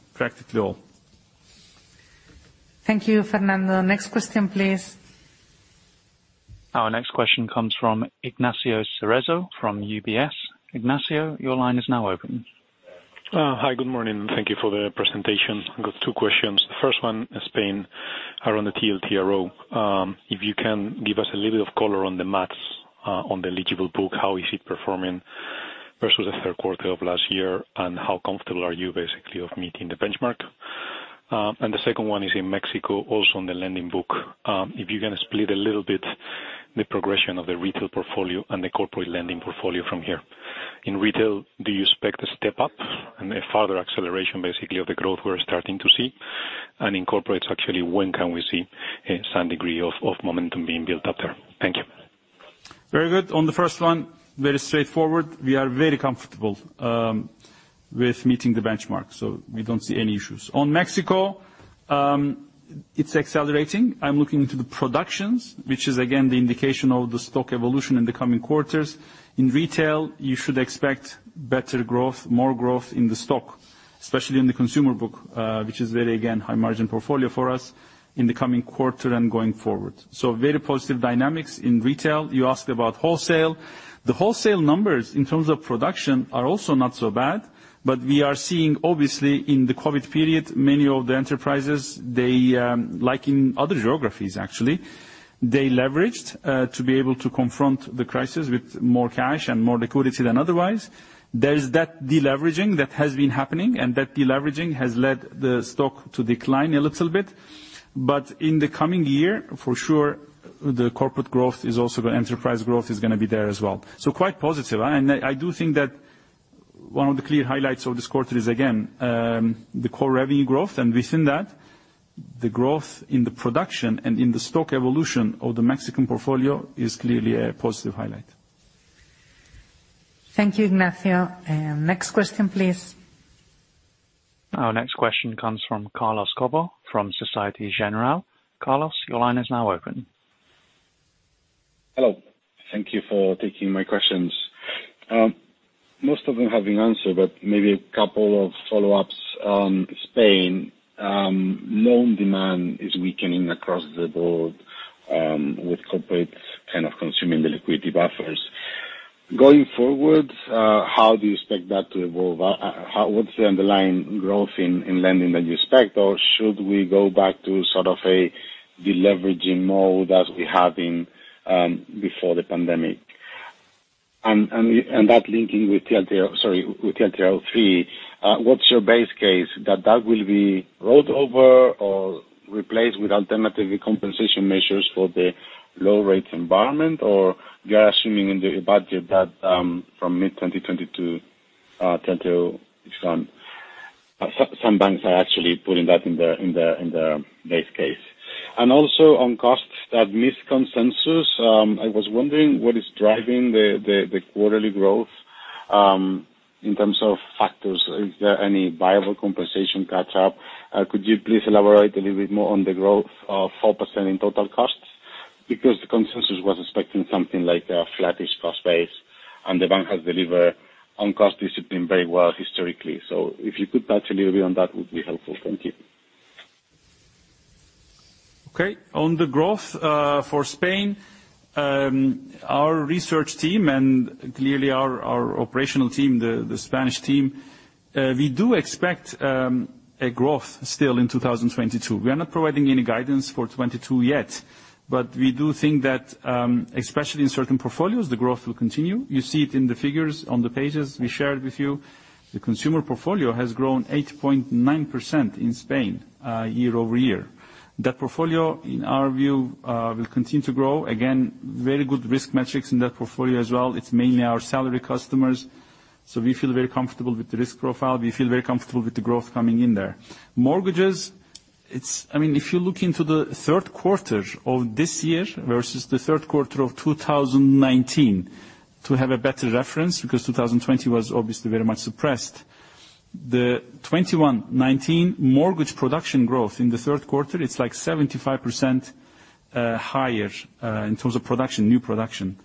Thank you, Fernando. Next question, please.
Our next question comes from Ignacio Cerezo from UBS. Ignacio, your line is now open.
Hi, good morning. Thank you for the presentation. I've got two questions. The first one is Spain, around the TLTRO. If you can give us a little bit of color on the math, on the eligible book, how is it performing versus the third quarter of last year, and how comfortable are you basically of meeting the benchmark? The second one is in Mexico, also on the lending book. If you're gonna split a little bit the progression of the retail portfolio and the corporate lending portfolio from here. In retail, do you expect a step up and a further acceleration, basically, of the growth we're starting to see? In corporate, actually, when can we see some degree of momentum being built up there? Thank you.
Very good. On the first one, very straightforward. We are very comfortable with meeting the benchmark, so we don't see any issues. On Mexico, it's accelerating. I'm looking to the projections, which is again, the indication of the stock evolution in the coming quarters. In retail, you should expect better growth, more growth in the stock, especially in the consumer book, which is very, again, high-margin portfolio for us in the coming quarter and going forward. Very positive dynamics in retail. You asked about wholesale. The wholesale numbers in terms of production are also not so bad, but we are seeing, obviously, in the COVID period, many of the enterprises, they, like in other geographies, actually, they leveraged to be able to confront the crisis with more cash and more liquidity than otherwise. There's that deleveraging that has been happening, and that deleveraging has led the stock to decline a little bit. In the coming year, for sure, enterprise growth is gonna be there as well. Quite positive. I do think that one of the clear highlights of this quarter is, again, the core revenue growth, and within that, the growth in the production and in the stock evolution of the Mexican portfolio is clearly a positive highlight.
Thank you, Ignacio. Next question, please.
Our next question comes from Carlos Cobo from Société Générale. Carlos, your line is now open.
Hello. Thank you for taking my questions. Most of them have been answered, but maybe a couple of follow-ups on Spain. Loan demand is weakening across the board, with corporate kind of consuming the liquidity buffers. Going forward, how do you expect that to evolve? What's the underlying growth in lending that you expect? Or should we go back to sort of a deleveraging mode as we had been before the pandemic? That linking with TLTRO III, what's your base case? That that will be rolled over or replaced with alternative compensation measures for the low rate environment? Or you are assuming in the budget that, from mid-2022, TLTRO is gone. Some banks are actually putting that in their base case. Also on costs that missed consensus, I was wondering what is driving the quarterly growth in terms of factors. Is there any viable compensation catch up? Could you please elaborate a little bit more on the growth of 4% in total costs? Because the consensus was expecting something like a flattish cost base, and the bank has delivered on cost discipline very well historically. If you could touch a little bit on that, would be helpful. Thank you.
Okay. On the growth, for Spain, our research team and clearly our operational team, the Spanish team, we do expect a growth still in 2022. We are not providing any guidance for 2022 yet, but we do think that, especially in certain portfolios, the growth will continue. You see it in the figures on the pages we shared with you. The consumer portfolio has grown 8.9% in Spain, year-over-year. That portfolio, in our view, will continue to grow. Again, very good risk metrics in that portfolio as well. It's mainly our salary customers. We feel very comfortable with the risk profile. We feel very comfortable with the growth coming in there. Mortgages, it's. I mean, if you look into the third quarter of this year versus the third quarter of 2019, to have a better reference, because 2020 was obviously very much suppressed. The 2021-2019 mortgage production growth in the third quarter, it's like 75% higher in terms of production, new production.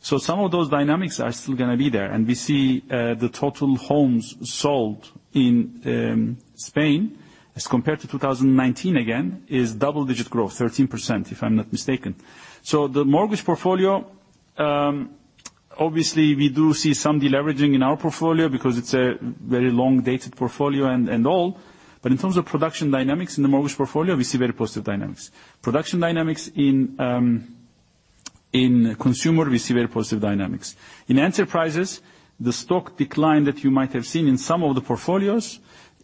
Some of those dynamics are still gonna be there, and we see the total homes sold in Spain as compared to 2019 again is double-digit growth, 13%, if I'm not mistaken. The mortgage portfolio, obviously we do see some deleveraging in our portfolio because it's a very long dated portfolio and all. But in terms of production dynamics in the mortgage portfolio, we see very positive dynamics. Production dynamics in consumer, we see very positive dynamics. In enterprises, the stock decline that you might have seen in some of the portfolios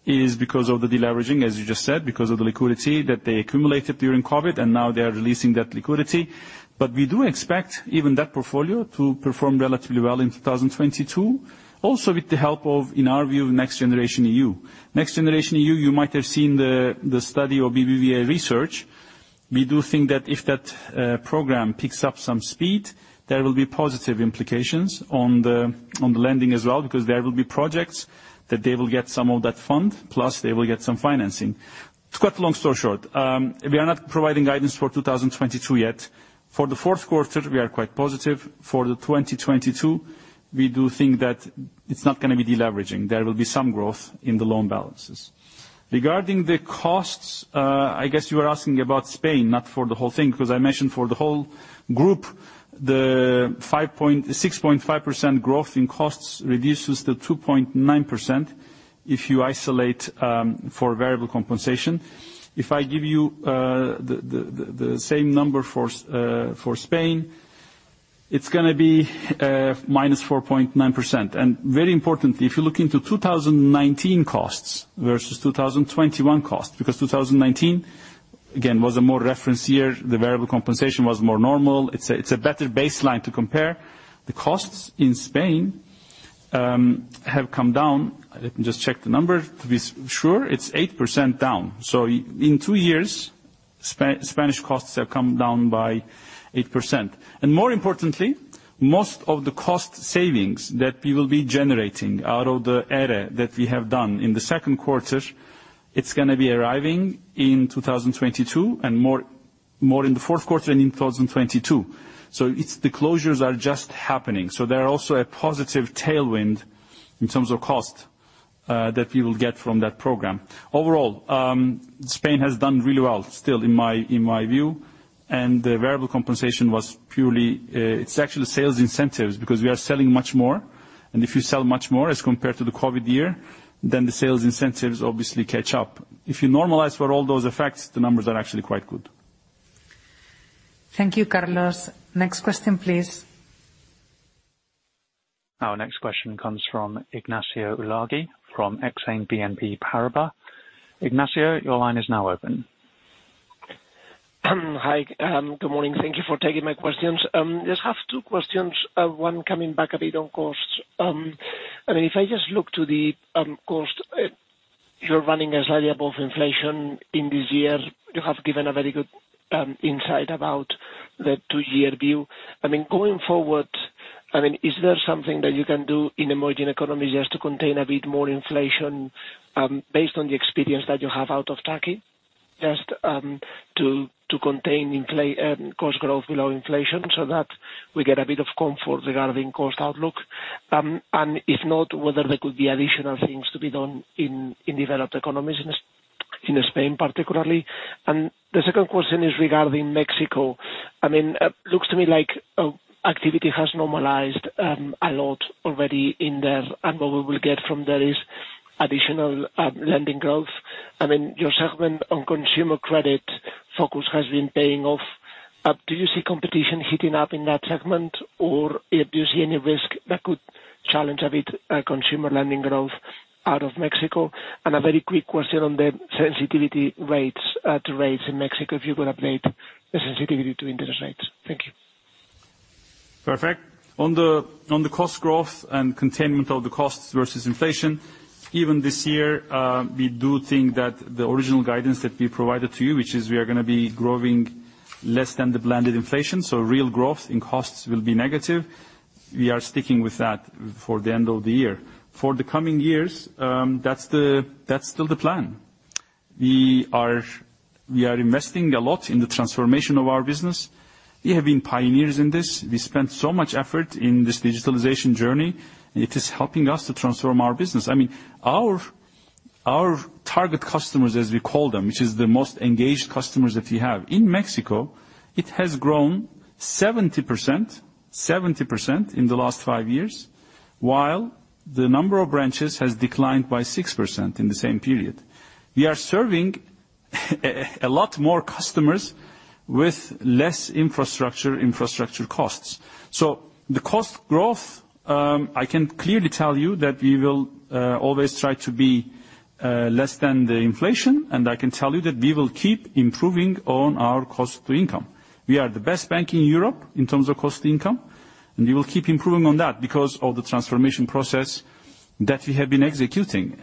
is because of the deleveraging, as you just said, because of the liquidity that they accumulated during COVID, and now they are releasing that liquidity. We do expect even that portfolio to perform relatively well in 2022, also with the help of, in our view, NextGenerationEU. NextGenerationEU, you might have seen the study or BBVA Research. We do think that if that program picks up some speed, there will be positive implications on the lending as well, because there will be projects that they will get some of that fund, plus they will get some financing. To cut long story short, we are not providing guidance for 2022 yet. For the fourth quarter, we are quite positive. For 2022, we do think that it's not gonna be deleveraging. There will be some growth in the loan balances. Regarding the costs, I guess you are asking about Spain, not for the whole thing, because I mentioned for the whole group, the 5.6% growth in costs reduces to 2.9% if you isolate for variable compensation. If I give you the same number for Spain, it's gonna be -4.9%. Very importantly, if you look into 2019 costs versus 2021 costs, because 2019, again, was a more reference year, the variable compensation was more normal. It's a better baseline to compare. The costs in Spain have come down. Let me just check the number to be sure. It's 8% down. In two years, Spanish costs have come down by 8%. More importantly, most of the cost savings that we will be generating out of the ERE that we have done in the second quarter, it's gonna be arriving in 2022, and more in the fourth quarter in 2022. The closures are just happening. There are also a positive tailwind in terms of cost that we will get from that program. Overall, Spain has done really well, still, in my view. The variable compensation was purely. It's actually sales incentives, because we are selling much more, and if you sell much more as compared to the COVID year, then the sales incentives obviously catch up. If you normalize for all those effects, the numbers are actually quite good.
Thank you, Carlos. Next question, please.
Our next question comes from Ignacio Ulargui from Exane BNP Paribas. Ignacio, your line is now open.
Hi. Good morning. Thank you for taking my questions. I just have two questions, one coming back a bit on costs. I mean, if I just look to the cost, you're running ahead of inflation in this year. You have given a very good insight about the two-year view. I mean, going forward, I mean, is there something that you can do in emerging economies just to contain a bit more inflation, based on the experience that you have out of Turkey. Just to contain cost growth below inflation so that we get a bit of comfort regarding cost outlook. If not, whether there could be additional things to be done in developed economies in Spain, particularly. The second question is regarding Mexico. I mean, it looks to me like activity has normalized a lot already in there, and what we will get from there is additional lending growth. I mean, your segment on consumer credit focus has been paying off. Do you see competition heating up in that segment, or do you see any risk that could challenge a bit consumer lending growth out of Mexico? A very quick question on the sensitivity to rates in Mexico, if you could update the sensitivity to interest rates. Thank you.
Perfect. On the cost growth and containment of the costs versus inflation, even this year, we do think that the original guidance that we provided to you, which is we are gonna be growing less than the blended inflation, so real growth in costs will be negative, we are sticking with that for the end of the year. For the coming years, that's still the plan. We are investing a lot in the transformation of our business. We have been pioneers in this. We spent so much effort in this digitalization journey. It is helping us to transform our business. I mean, our target customers, as we call them, which is the most engaged customers that we have, in Mexico, it has grown 70%. 70% in the last five years, while the number of branches has declined by 6% in the same period. We are serving a lot more customers with less infrastructure costs. The cost growth, I can clearly tell you that we will always try to be less than the inflation, and I can tell you that we will keep improving on our cost to income. We are the best bank in Europe in terms of cost to income, and we will keep improving on that because of the transformation process that we have been executing.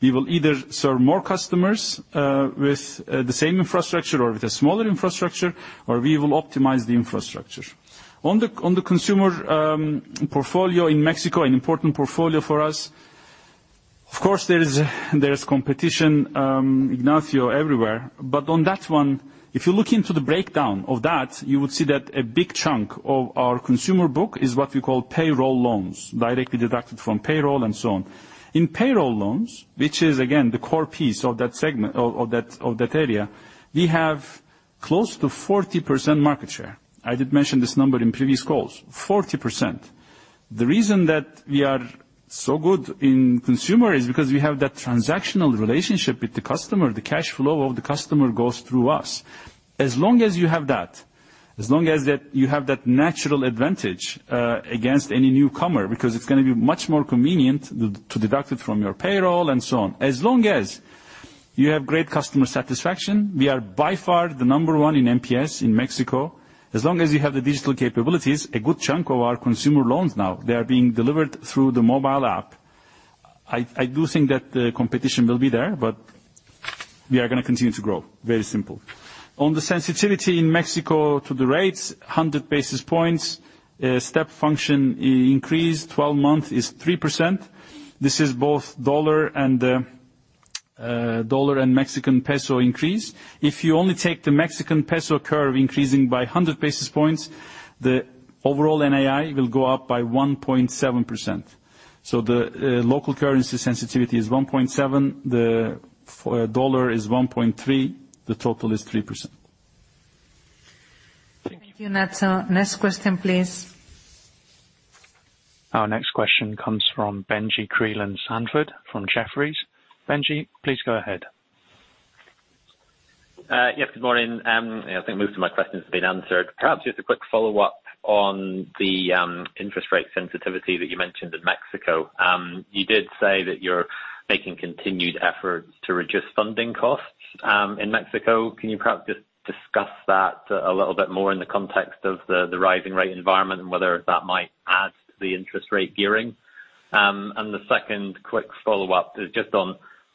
We will either serve more customers with the same infrastructure or with a smaller infrastructure, or we will optimize the infrastructure. On the consumer portfolio in Mexico, an important portfolio for us, of course there's competition, Ignacio, everywhere. On that one, if you look into the breakdown of that, you would see that a big chunk of our consumer book is what we call payroll loans, directly deducted from payroll and so on. In payroll loans, which is again, the core piece of that segment, of that area, we have close to 40% market share. I did mention this number in previous calls. 40%. The reason that we are so good in consumer is because we have that transactional relationship with the customer. The cash flow of the customer goes through us. As long as you have that, you have that natural advantage against any newcomer, because it's gonna be much more convenient to deduct it from your payroll and so on. As long as you have great customer satisfaction, we are by far the number one in NPS in Mexico. As long as you have the digital capabilities, a good chunk of our consumer loans now, they are being delivered through the mobile app. I do think that the competition will be there, but we are gonna continue to grow. Very simple. On the sensitivity in Mexico to the rates, 100 basis points step function increased 12-month is 3%. This is both dollar and Mexican peso increase. If you only take the Mexican peso curve increasing by 100 basis points, the overall NII will go up by 1.7%. The local currency sensitivity is 1.7%. The dollar is 1.3%. The total is 3%.
Thank you, Ignacio. Next question, please.
Our next question comes from Benjie Creelan-Sandford from Jefferies. Benjie, please go ahead.
Yes, good morning. Yeah, I think most of my questions have been answered. Perhaps just a quick follow-up on the interest rate sensitivity that you mentioned in Mexico. You did say that you're making continued efforts to reduce funding costs in Mexico. Can you perhaps just discuss that a little bit more in the context of the rising rate environment and whether that might add to the interest rate gearing? The second quick follow-up is just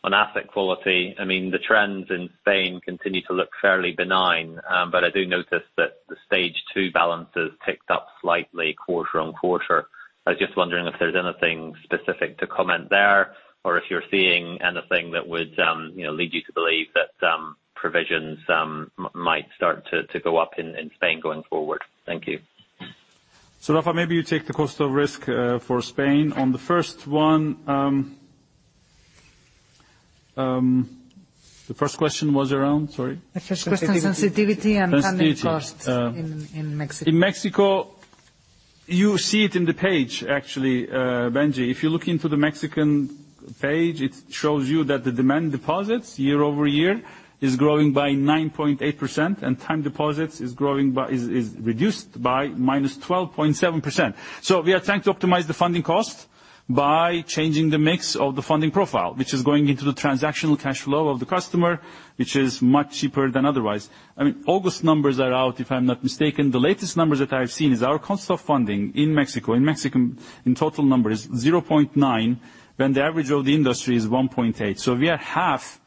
on asset quality. I mean, the trends in Spain continue to look fairly benign, but I do notice that the Stage 2 balances ticked up slightly quarter-over-quarter. I was just wondering if there's anything specific to comment there or if you're seeing anything that would, you know, lead you to believe that provisions might start to go up in Spain going forward. Thank you.
Rafa, maybe you take the cost of risk for Spain. On the first one, the first question was around? Sorry.
The first question, sensitivity and funding costs-
Sensitivity.
-in Mexico.
In Mexico, you see it in the page, actually, Benjie. If you look into the Mexican page, it shows you that the demand deposits year-over-year is growing by 9.8%, and time deposits is reduced by -12.7%. We are trying to optimize the funding cost by changing the mix of the funding profile, which is going into the transactional cash flow of the customer, which is much cheaper than otherwise. I mean, August numbers are out, if I'm not mistaken. The latest numbers that I have seen is our cost of funding in Mexico, in Mexican, in total number, is 0.9, when the average of the industry is 1.8. We are half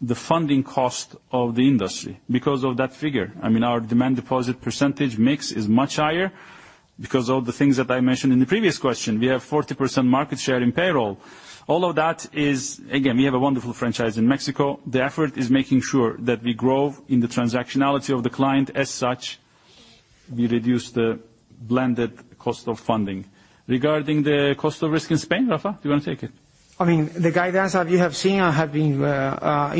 the funding cost of the industry because of that figure. I mean, our demand deposit percentage mix is much higher because of the things that I mentioned in the previous question. We have 40% market share in payroll. All of that is, again, we have a wonderful franchise in Mexico. The effort is making sure that we grow in the transactionality of the client. As such, we reduce the blended cost of funding. Regarding the cost of risk in Spain, Rafa, do you wanna take it?
I mean, the guidance that you have seen have been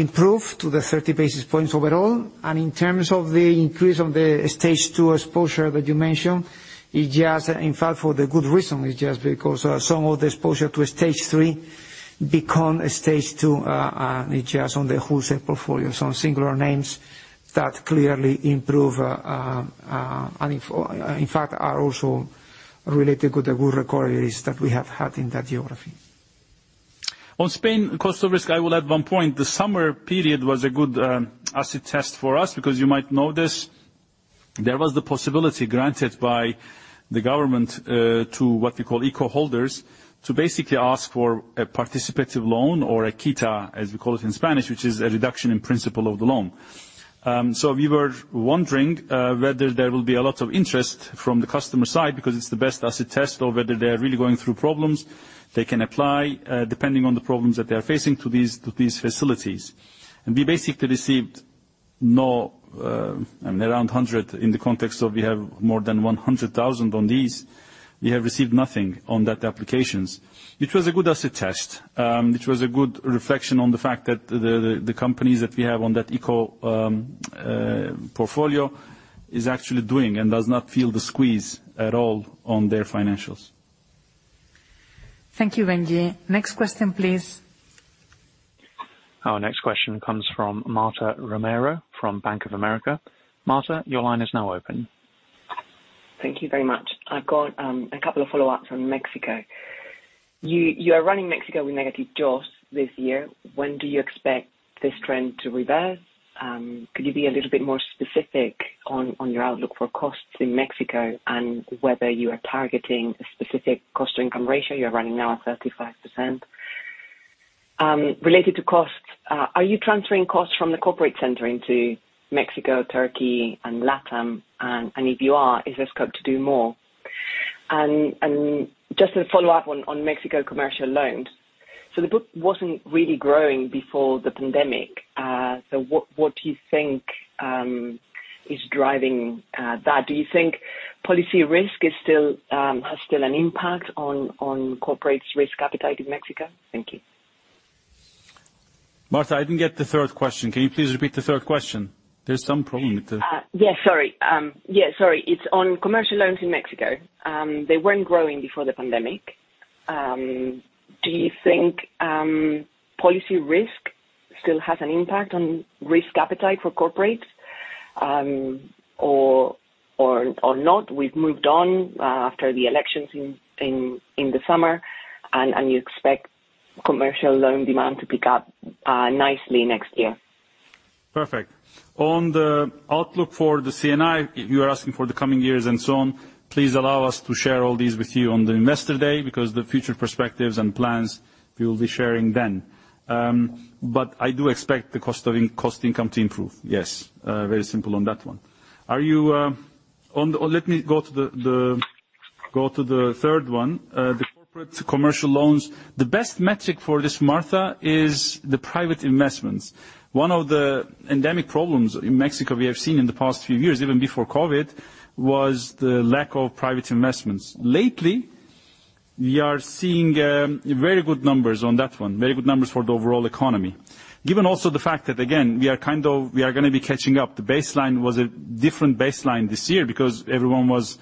improved to the 30 basis points overall. In terms of the increase of the Stage 2 exposure that you mentioned, it is, in fact, for the good reason. It is just because some of the exposure to Stage 3 become Stage 2 just on the wholesale portfolio. Some singular names that clearly improve, and in fact, are also related to the good recoveries that we have had in that geography.
On Spain cost of risk, I will add one point. The summer period was a good acid test for us because you might know this. There was the possibility granted by the government to what we call ICO-holders to basically ask for a participative loan or a quita, as we call it in Spanish, which is a reduction in principal of the loan. We were wondering whether there will be a lot of interest from the customer side because it's the best acid test or whether they are really going through problems. They can apply depending on the problems that they are facing to these facilities. We basically received, I mean, around 100 in the context of we have more than 100,000 on these. We have received nothing on those applications. It was a good acid test. It was a good reflection on the fact that the companies that we have on that ICO portfolio is actually doing and does not feel the squeeze at all on their financials.
Thank you, Benjie. Next question, please.
Our next question comes from Marta Romero from Bank of America. Marta, your line is now open.
Thank you very much. I've got a couple of follow-ups on Mexico. You are running Mexico with negative [jaws] this year. When do you expect this trend to reverse? Could you be a little bit more specific on your outlook for costs in Mexico and whether you are targeting a specific cost-to-income ratio you're running now at 35%? Related to costs, are you transferring costs from the corporate center into Mexico, Turkey, and Latin? If you are, is there scope to do more? Just to follow up on Mexico commercial loans. The book wasn't really growing before the pandemic. What do you think is driving that? Do you think policy risk still has an impact on corporate risk appetite in Mexico? Thank you.
Marta, I didn't get the third question. Can you please repeat the third question? There's some problem with the.
It's on commercial loans in Mexico. They weren't growing before the pandemic. Do you think policy risk still has an impact on risk appetite for corporates, or not? We've moved on after the elections in the summer, and you expect commercial loan demand to pick up nicely next year.
Perfect. On the outlook for the cost-to-income, you are asking for the coming years and so on. Please allow us to share all these with you on the investor day, because the future perspectives and plans we will be sharing then. I do expect the cost-income ratio to improve. Yes. Very simple on that one. Let me go to the third one, the corporate commercial loans. The best metric for this, Marta, is the private investments. One of the endemic problems in Mexico we have seen in the past few years, even before COVID, was the lack of private investments. Lately, we are seeing very good numbers on that one, very good numbers for the overall economy. Given also the fact that, again, we are gonna be catching up. The baseline was a different baseline this year because everyone was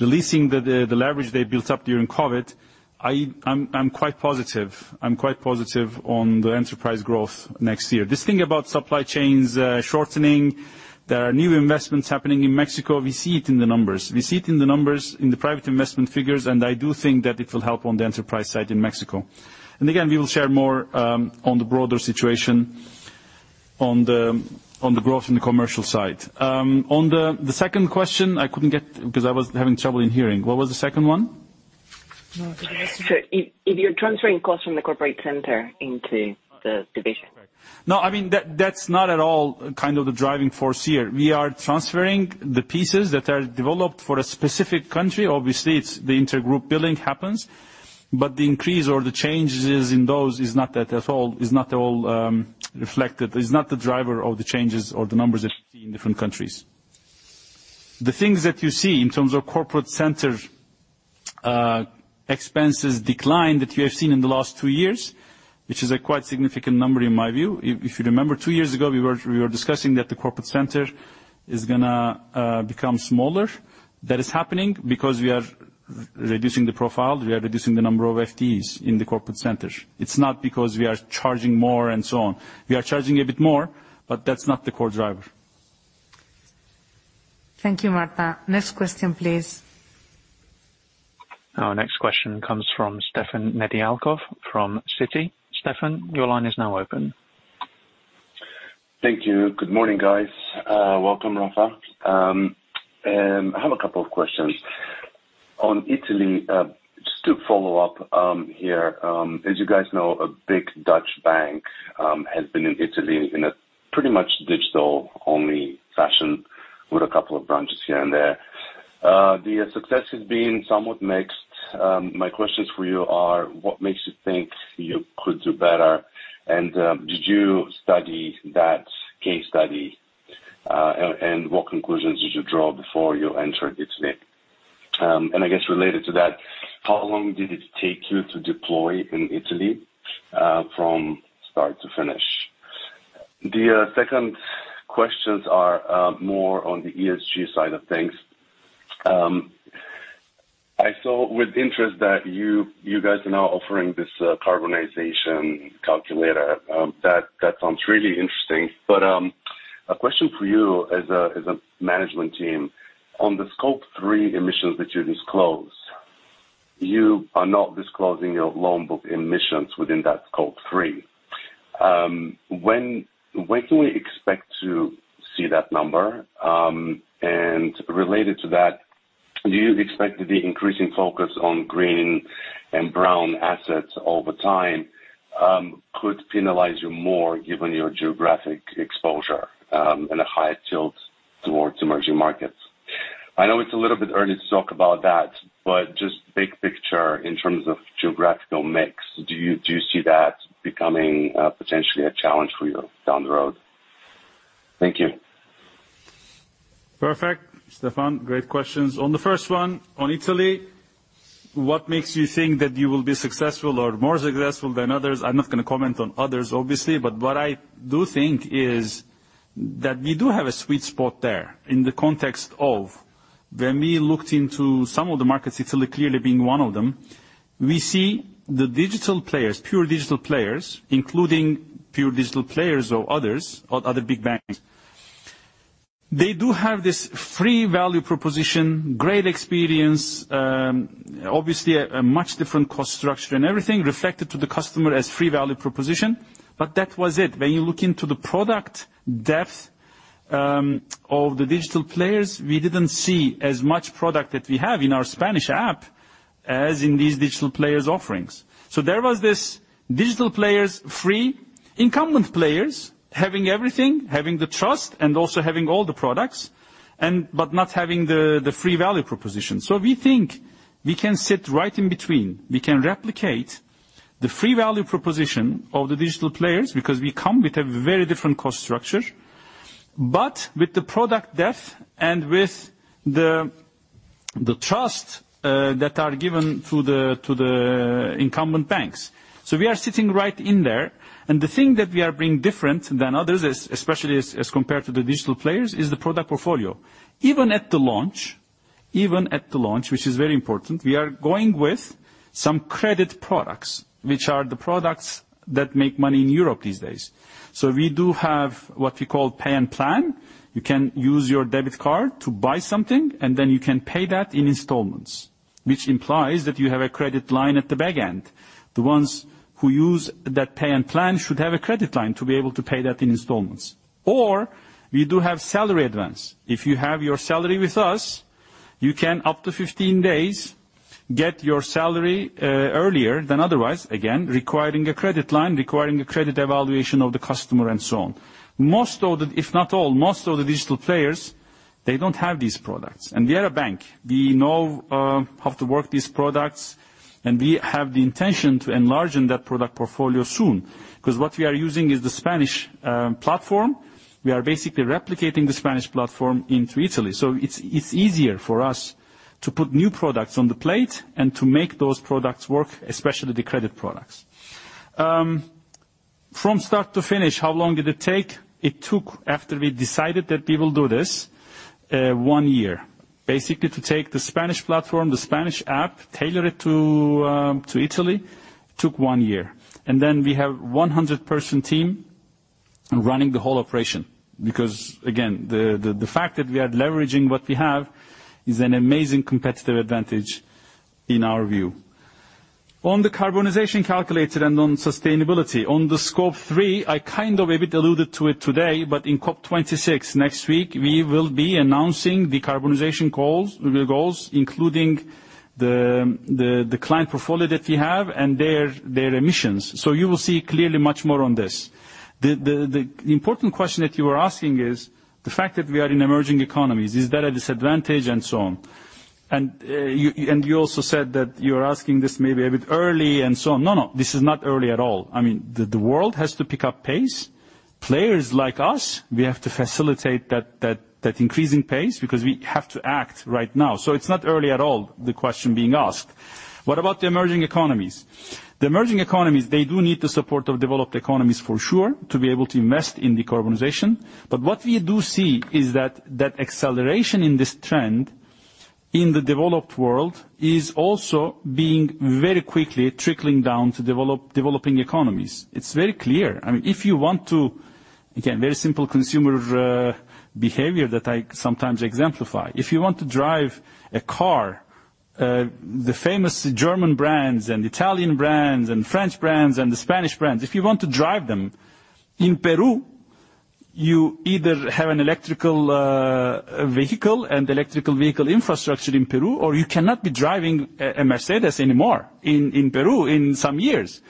releasing the leverage they built up during COVID. I'm quite positive on the enterprise growth next year. This thing about supply chains shortening, there are new investments happening in Mexico. We see it in the numbers in the private investment figures, and I do think that it will help on the enterprise side in Mexico. We will share more on the broader situation on the growth in the commercial side. On the second question, I couldn't get it because I was having trouble hearing. What was the second one?
If you're transferring costs from the corporate center into the division.
No, I mean, that's not at all kind of the driving force here. We are transferring the pieces that are developed for a specific country. Obviously, it's the inter-group billing happens, but the increase or the changes in those is not that at all, reflected. It's not the driver of the changes or the numbers that you see in different countries. The things that you see in terms of corporate center expenses decline that you have seen in the last two years, which is a quite significant number in my view. If you remember two years ago, we were discussing that the corporate center is gonna become smaller. That is happening because we are reducing the profile, we are reducing the number of FTEs in the corporate center. It's not because we are charging more and so on. We are charging a bit more, but that's not the core driver.
Thank you, Marta. Next question, please.
Our next question comes from Stefan Nedialkov from Citi. Stefan, your line is now open.
Thank you. Good morning, guys. Welcome, Rafa. I have a couple of questions. On Italy, just to follow up, here, as you guys know, a big Dutch bank has been in Italy in a pretty much digital-only fashion with a couple of branches here and there. The success has been somewhat mixed. My questions for you are, what makes you think you could do better, and, did you study that case study, and what conclusions did you draw before you entered Italy? I guess related to that, how long did it take you to deploy in Italy, from start to finish? The second questions are more on the ESG side of things. I saw with interest that you guys are now offering this carbon footprint calculator. That sounds really interesting. A question for you as a management team, on the Scope 3 emissions that you disclose, you are not disclosing your loan book emissions within that Scope 3. When can we expect to see that number? Related to that, do you expect the increasing focus on green and brown assets over time could penalize you more given your geographic exposure, and a higher tilt towards emerging markets? I know it's a little bit early to talk about that, but just big picture in terms of geographical mix, do you see that becoming potentially a challenge for you down the road? Thank you.
Perfect. Stefan, great questions. On the first one, on Italy, what makes you think that you will be successful or more successful than others? I'm not gonna comment on others, obviously, but what I do think is that we do have a sweet spot there in the context of when we looked into some of the markets, Italy clearly being one of them, we see the digital players, pure digital players, including pure digital players or others, or other big banks. They do have this free value proposition, great experience, obviously a much different cost structure and everything reflected to the customer as free value proposition. But that was it. When you look into the product depth, of the digital players, we didn't see as much product that we have in our Spanish app as in these digital players' offerings. There were these digital players, free incumbent players, having everything, having the trust and also having all the products but not having the free value proposition. We think we can sit right in between. We can replicate the free value proposition of the digital players, because we come with a very different cost structure, but with the product depth and with the trust that are given to the incumbent banks. We are sitting right in there. The thing that we are bringing different than others, especially as compared to the digital players, is the product portfolio. Even at the launch, which is very important, we are going with some credit products, which are the products that make money in Europe these days. We do have what we call Pay&Plan. You can use your debit card to buy something, and then you can pay that in installments, which implies that you have a credit line at the back end. The ones who use that Pay&Plan should have a credit line to be able to pay that in installments. We do have salary advance. If you have your salary with us, you can, up to 15 days, get your salary earlier than otherwise, again, requiring a credit line, requiring a credit evaluation of the customer and so on. Most of the digital players don't have these products. We are a bank. We know how to work these products, and we have the intention to enlarge that product portfolio soon. Because what we are using is the Spanish platform. We are basically replicating the Spanish platform into Italy. It's easier for us to put new products on the plate and to make those products work, especially the credit products. From start to finish, how long did it take? It took, after we decided that we will do this, one year. Basically, to take the Spanish platform, the Spanish app, tailor it to Italy, took one year. Then we have a 100-person team running the whole operation. Because, again, the fact that we are leveraging what we have is an amazing competitive advantage in our view. On the carbon footprint calculator and on sustainability, on the Scope 3, I kind of a bit alluded to it today, but in COP26 next week, we will be announcing the carbon footprint goals, including the client portfolio that we have and their emissions. You will see clearly much more on this. The important question that you are asking is, the fact that we are in emerging economies, is that a disadvantage and so on? You also said that you're asking this maybe a bit early and so on. No, this is not early at all. I mean, the world has to pick up pace. Players like us, we have to facilitate that increasing pace because we have to act right now. It's not early at all, the question being asked. What about the emerging economies? The emerging economies, they do need the support of developed economies, for sure, to be able to invest in the decarbonization. what we do see is that acceleration in this trend in the developed world is also being very quickly trickling down to developing economies. It's very clear. I mean, if you want to again, very simple consumer behavior that I sometimes exemplify. If you want to drive a car, the famous German brands and Italian brands and French brands and the Spanish brands, if you want to drive them in Peru, you either have an electric vehicle and electric vehicle infrastructure in Peru, or you cannot be driving a Mercedes anymore in Peru in some years.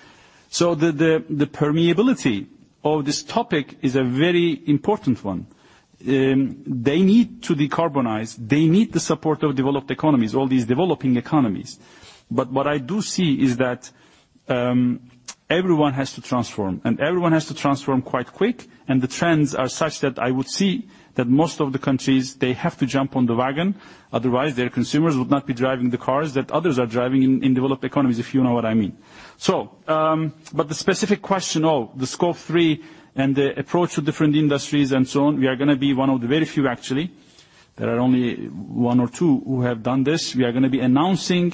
The permeability of this topic is a very important one. They need to decarbonize, they need the support of developed economies, all these developing economies. What I do see is that everyone has to transform, and everyone has to transform quite quick, and the trends are such that I would see that most of the countries, they have to jump on the wagon. Otherwise, their consumers would not be driving the cars that others are driving in developed economies, if you know what I mean. The specific question of the Scope 3 and the approach to different industries and so on, we are gonna be one of the very few, actually. There are only one or two who have done this. We are gonna be announcing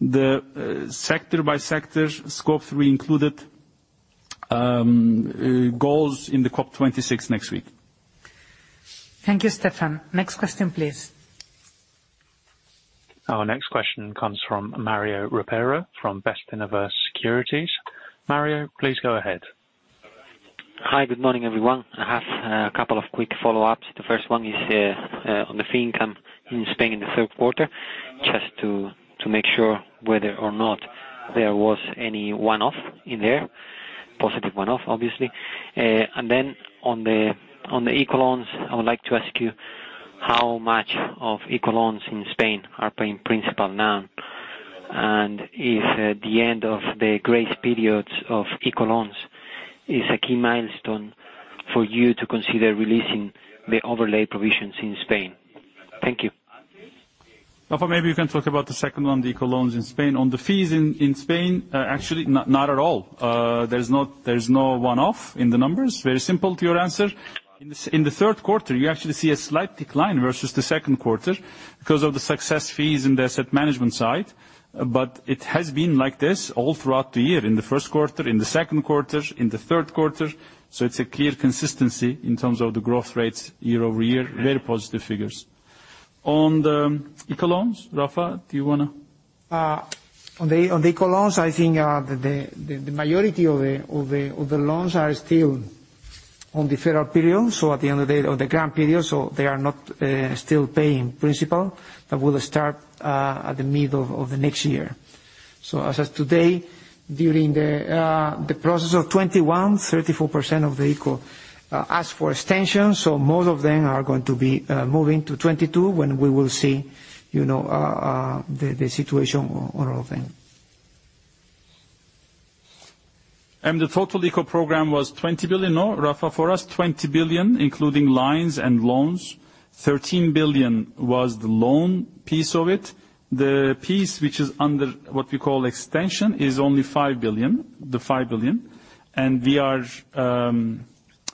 the sector-by-sector Scope 3 included goals in the COP26 next week.
Thank you, Stefan. Next question, please.
Our next question comes from Mario Ropero from Bestinver Securities. Mario, please go ahead.
Hi, good morning, everyone. I have a couple of quick follow-ups. The first one is on the fee income in Spain in the third quarter, just to make sure whether or not there was any one-off in there, positive one-off, obviously. Then on the ICO loans, I would like to ask you how much of ICO loans in Spain are paying principal now, and is the end of the grace periods of ICO loans a key milestone for you to consider releasing the overlay provisions in Spain? Thank you.
Rafa, maybe you can talk about the second one, the ICO loans in Spain. On the fees in Spain, actually, not at all. There's no one-off in the numbers. Very simple to your answer. In the third quarter, you actually see a slight decline versus the second quarter because of the success fees in the asset management side. It has been like this all throughout the year, in the first quarter, in the second quarter, in the third quarter. It's a clear consistency in terms of the growth rates year-over-year, very positive figures. On the ICO loans, Rafa, do you wanna?
On the ICO loans, I think the majority of the loans are still on deferred period, so at the end of the day, or the grant period, so they are not still paying principal. That will start at the middle of the next year. As of today, during the process of 2021, 34% of the ICO asked for extension, so most of them are going to be moving to 2022 when we will see, you know, the situation on all of them.
The total ICO program was 20 billion, no, Rafa? For us, 20 billion, including lines and loans. 13 billion was the loan piece of it. The piece which is under what we call extension is only 5 billion. We are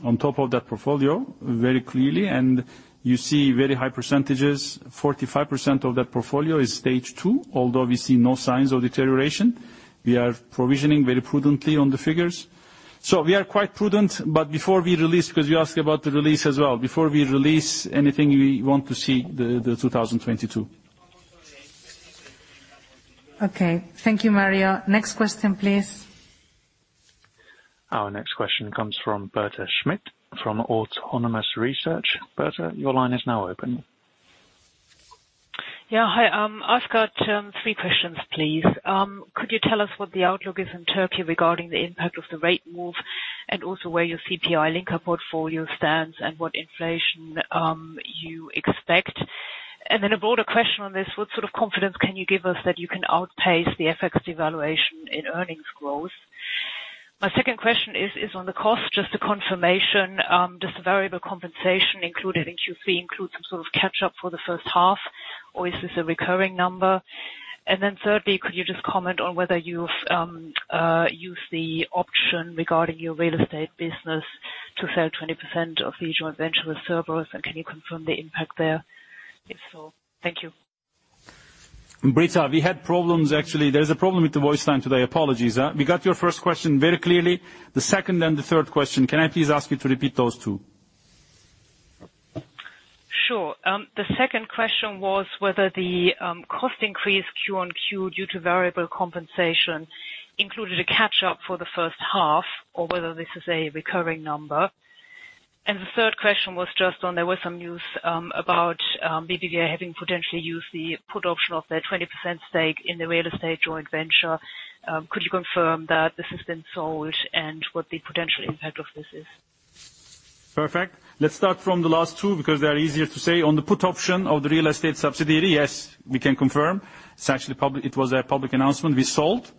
on top of that portfolio very clearly, and you see very high percentages. 45% of that portfolio is Stage 2, although we see no signs of deterioration. We are provisioning very prudently on the figures. We are quite prudent, but before we release, because you ask about the release as well, before we release anything, we want to see the 2022.
Okay. Thank you, Mario. Next question, please.
Our next question comes from Britta Schmidt from Autonomous Research. Bertie, your line is now open.
Yeah. Hi, Onur, three questions, please. Could you tell us what the outlook is in Turkey regarding the impact of the rate move, and also where your CPI-linked portfolio stands and what inflation you expect? A broader question on this, what sort of confidence can you give us that you can outpace the FX devaluation in earnings growth? My second question is on the cost, just a confirmation, does the variable compensation included in Q3 include some sort of catch-up for the first half, or is this a recurring number? Thirdly, could you just comment on whether you've used the option regarding your real estate business to sell 20% of the joint venture with Cerberus, and can you confirm the impact there if so? Thank you.
Britta, we had problems actually. There's a problem with the voice line today. Apologies. We got your first question very clearly. The second and the third question, can I please ask you to repeat those two?
Sure. The second question was whether the cost increase Q-on-Q due to variable compensation included a catch-up for the first half or whether this is a recurring number. The third question was just on there was some news about BBVA having potentially used the put option of their 20% stake in the real estate joint venture. Could you confirm that this has been sold and what the potential impact of this is?
Perfect. Let's start from the last two because they are easier to say. On the put option of the real estate subsidiary, yes, we can confirm. It's actually public. It was a public announcement. We sold.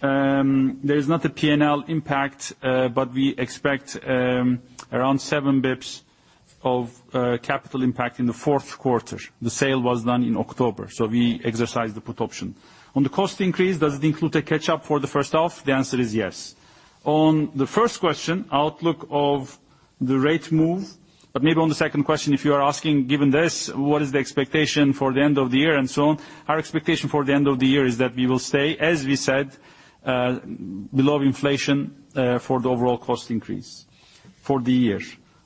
There is not a P&L impact, but we expect around seven basis points of capital impact in the fourth quarter. The sale was done in October, so we exercised the put option. On the cost increase, does it include a catch-up for the first half? The answer is yes. On the first question, outlook of the rate move, but maybe on the second question, if you are asking, given this, what is the expectation for the end of the year and so on, our expectation for the end of the year is that we will stay, as we said, below inflation, for the overall cost increase for the year.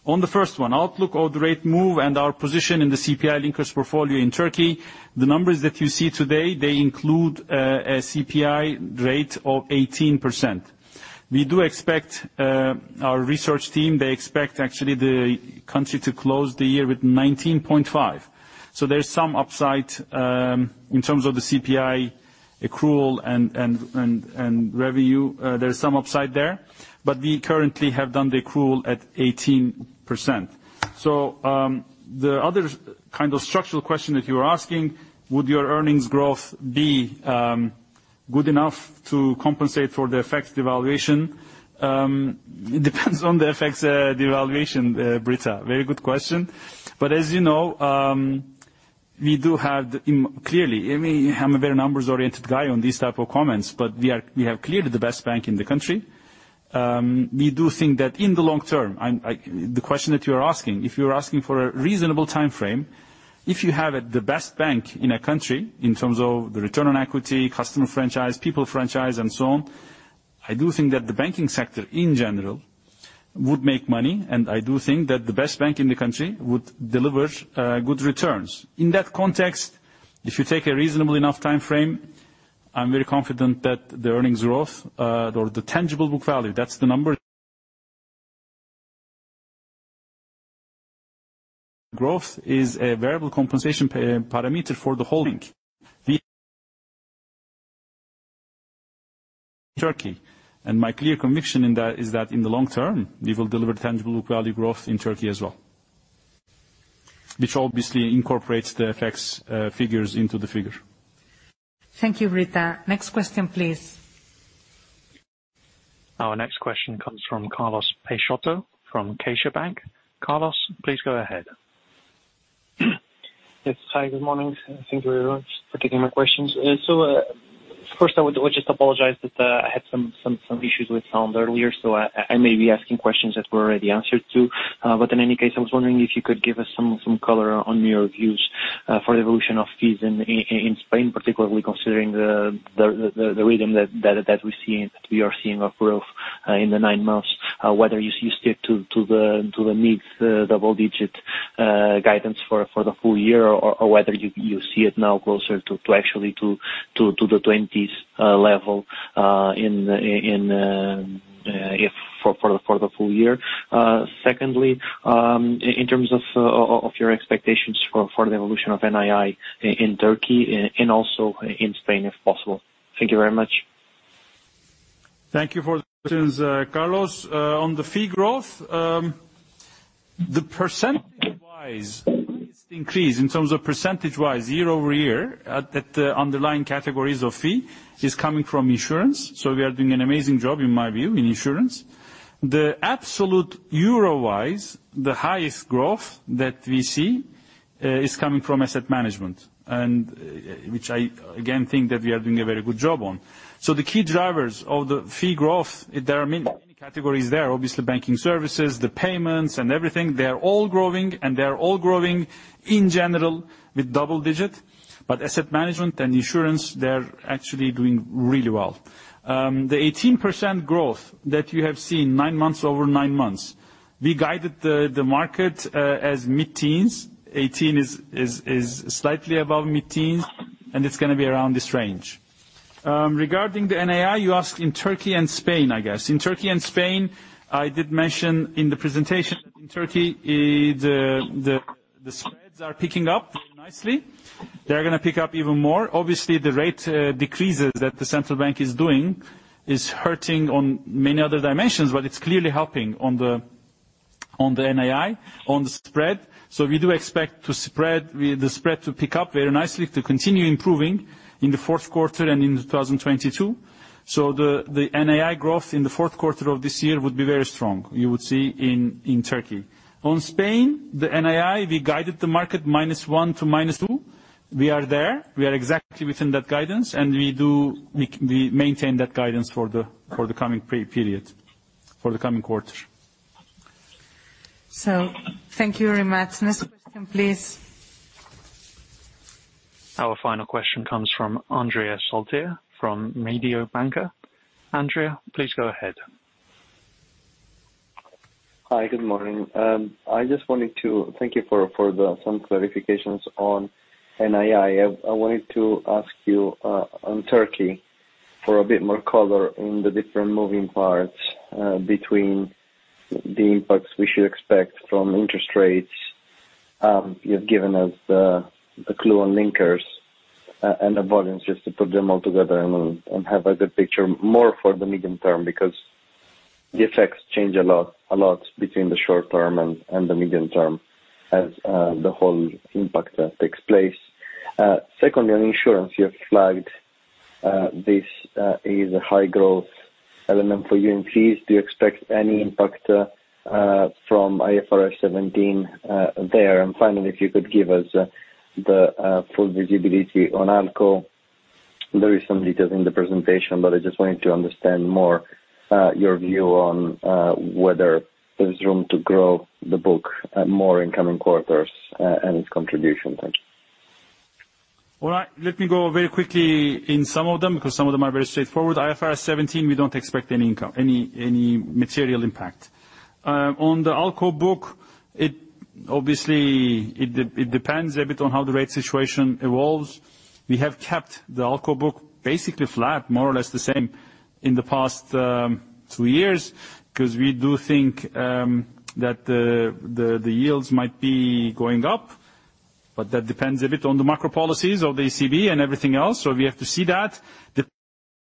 On the first one, outlook of the rate move and our position in the CPI linkers portfolio in Turkey, the numbers that you see today, they include a CPI rate of 18%. We do expect our research team, they expect actually the country to close the year with 19.5%. There is some upside in terms of the CPI accrual and revenue. There is some upside there, but we currently have done the accrual at 18%. The other kind of structural question that you are asking, would your earnings growth be good enough to compensate for the FX devaluation? It depends on the FX devaluation, Britta. Very good question. As you know, we do have clearly, I mean, I'm a very numbers-oriented guy on these type of comments, but we have clearly the best bank in the country. We do think that in the long term the question that you are asking, if you are asking for a reasonable timeframe, if you have it, the best bank in a country in terms of the return on equity, customer franchise, people franchise and so on, I do think that the banking sector in general would make money, and I do think that the best bank in the country would deliver good returns. In that context, if you take a reasonable enough timeframe, I'm very confident that the earnings growth or the tangible book value, that's the number growth is a variable compensation parameter for the whole bank. In Turkey, my clear conviction in that is that in the long term, we will deliver tangible book value growth in Turkey as well. Which obviously incorporates the FX figures into the figure.
Thank you, Britta. Next question, please.
Our next question comes from Carlos Peixoto from CaixaBank. Carlos, please go ahead.
Yes. Hi, good morning. Thank you very much for taking my questions. First, I would just apologize that I had some issues with sound earlier, so I may be asking questions that were already answered too. In any case, I was wondering if you could give us some color on your views for the evolution of fees in Spain, particularly considering the rhythm that we're seeing of growth in the nine months, whether you stick to the mid double-digit guidance for the full year or whether you see it now closer to actually the 20s level for the full year. Secondly, in terms of your expectations for the evolution of NII in Turkey and also in Spain, if possible. Thank you very much.
Thank you for the questions, Carlos. On the fee growth, the percentage-wise increase in terms of percentage-wise year-over-year at the underlying categories of fee is coming from insurance. We are doing an amazing job in my view in insurance. The absolute euro-wise, the highest growth that we see is coming from asset management, and which I again think that we are doing a very good job on. The key drivers of the fee growth, there are many categories there. Obviously, banking services, the payments and everything, they are all growing, and they are all growing in general with double-digit. Asset management and insurance, they're actually doing really well. The 18% growth that you have seen nine months over nine months, we guided the market as mid-teens. 18 is slightly above mid-teens, and it's gonna be around this range. Regarding the NII, you asked in Turkey and Spain, I guess. In Turkey and Spain, I did mention in the presentation. In Turkey, the spreads are picking up nicely. They're gonna pick up even more. Obviously, the rate decreases that the central bank is doing is hurting on many other dimensions, but it's clearly helping on the NII, on the spread. We do expect the spread to pick up very nicely to continue improving in the fourth quarter and in 2022. The NII growth in the fourth quarter of this year would be very strong, you would see in Turkey. On Spain, the NII, we guided the market -1% to -2%. We are there. We are exactly within that guidance, and we maintain that guidance for the coming period, for the coming quarters.
Thank you very much. Next question, please.
Our final question comes from Andrea Filtri from Mediobanca. Andrea, please go ahead.
Hi, good morning. I just wanted to thank you for some clarifications on NII. I wanted to ask you on Turkey for a bit more color in the different moving parts between the impacts we should expect from interest rates. You've given us the clue on linkers and the volumes, just to put them all together and have a good picture more for the medium term, because the effects change a lot between the short term and the medium term as the whole impact takes place. Secondly, on insurance, you have flagged this is a high growth element for you. Please, do you expect any impact from IFRS 17 there? Finally, if you could give us the full visibility on ALCO. There is some details in the presentation, but I just wanted to understand more, your view on, whether there's room to grow the book more in coming quarters, and its contribution. Thank you.
All right. Let me go very quickly in some of them, because some of them are very straightforward. IFRS 17, we don't expect any material impact. On the ALCO book, it obviously depends a bit on how the rate situation evolves. We have kept the ALCO book basically flat, more or less the same in the past two years, because we do think that the yields might be going up, but that depends a bit on the macro policies of the ECB and everything else. We have to see that. Depending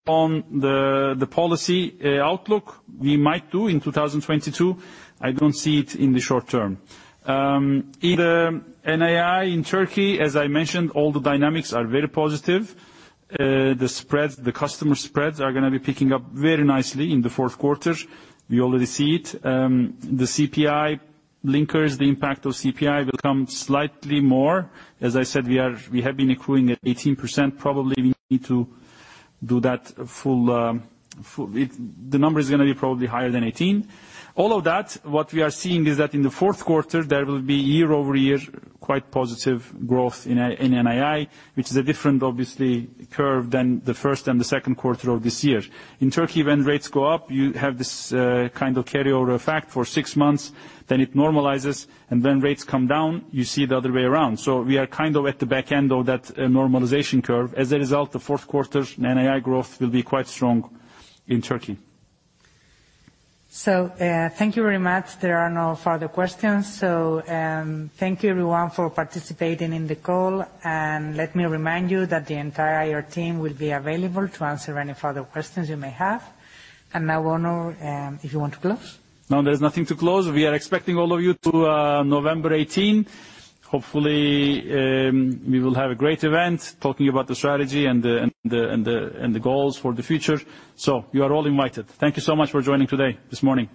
on the policy outlook, we might do in 2022. I don't see it in the short term. In the NII in Turkey, as I mentioned, all the dynamics are very positive. The spreads, the customer spreads are gonna be picking up very nicely in the fourth quarter. We already see it. The CPI linkers, the impact of CPI will come slightly more. As I said, we have been accruing at 18%. Probably we need to do that full. The number is gonna be probably higher than 18. All of that, what we are seeing is that in the fourth quarter, there will be year-over-year quite positive growth in NII, which is a different, obviously, curve than the first and the second quarter of this year. In Turkey, when rates go up, you have this kind of carryover effect for 6 months, then it normalizes, and when rates come down, you see it the other way around. We are kind of at the back end of that normalization curve. As a result, the fourth quarter's NII growth will be quite strong in Turkey.
Thank you very much. There are no further questions. Thank you everyone for participating in the call, and let me remind you that the entire IR team will be available to answer any further questions you may have. Now, Onur, if you want to close.
No, there's nothing to close. We are expecting all of you to November 18. Hopefully, we will have a great event talking about the strategy and the goals for the future. You are all invited. Thank you so much for joining today, this morning.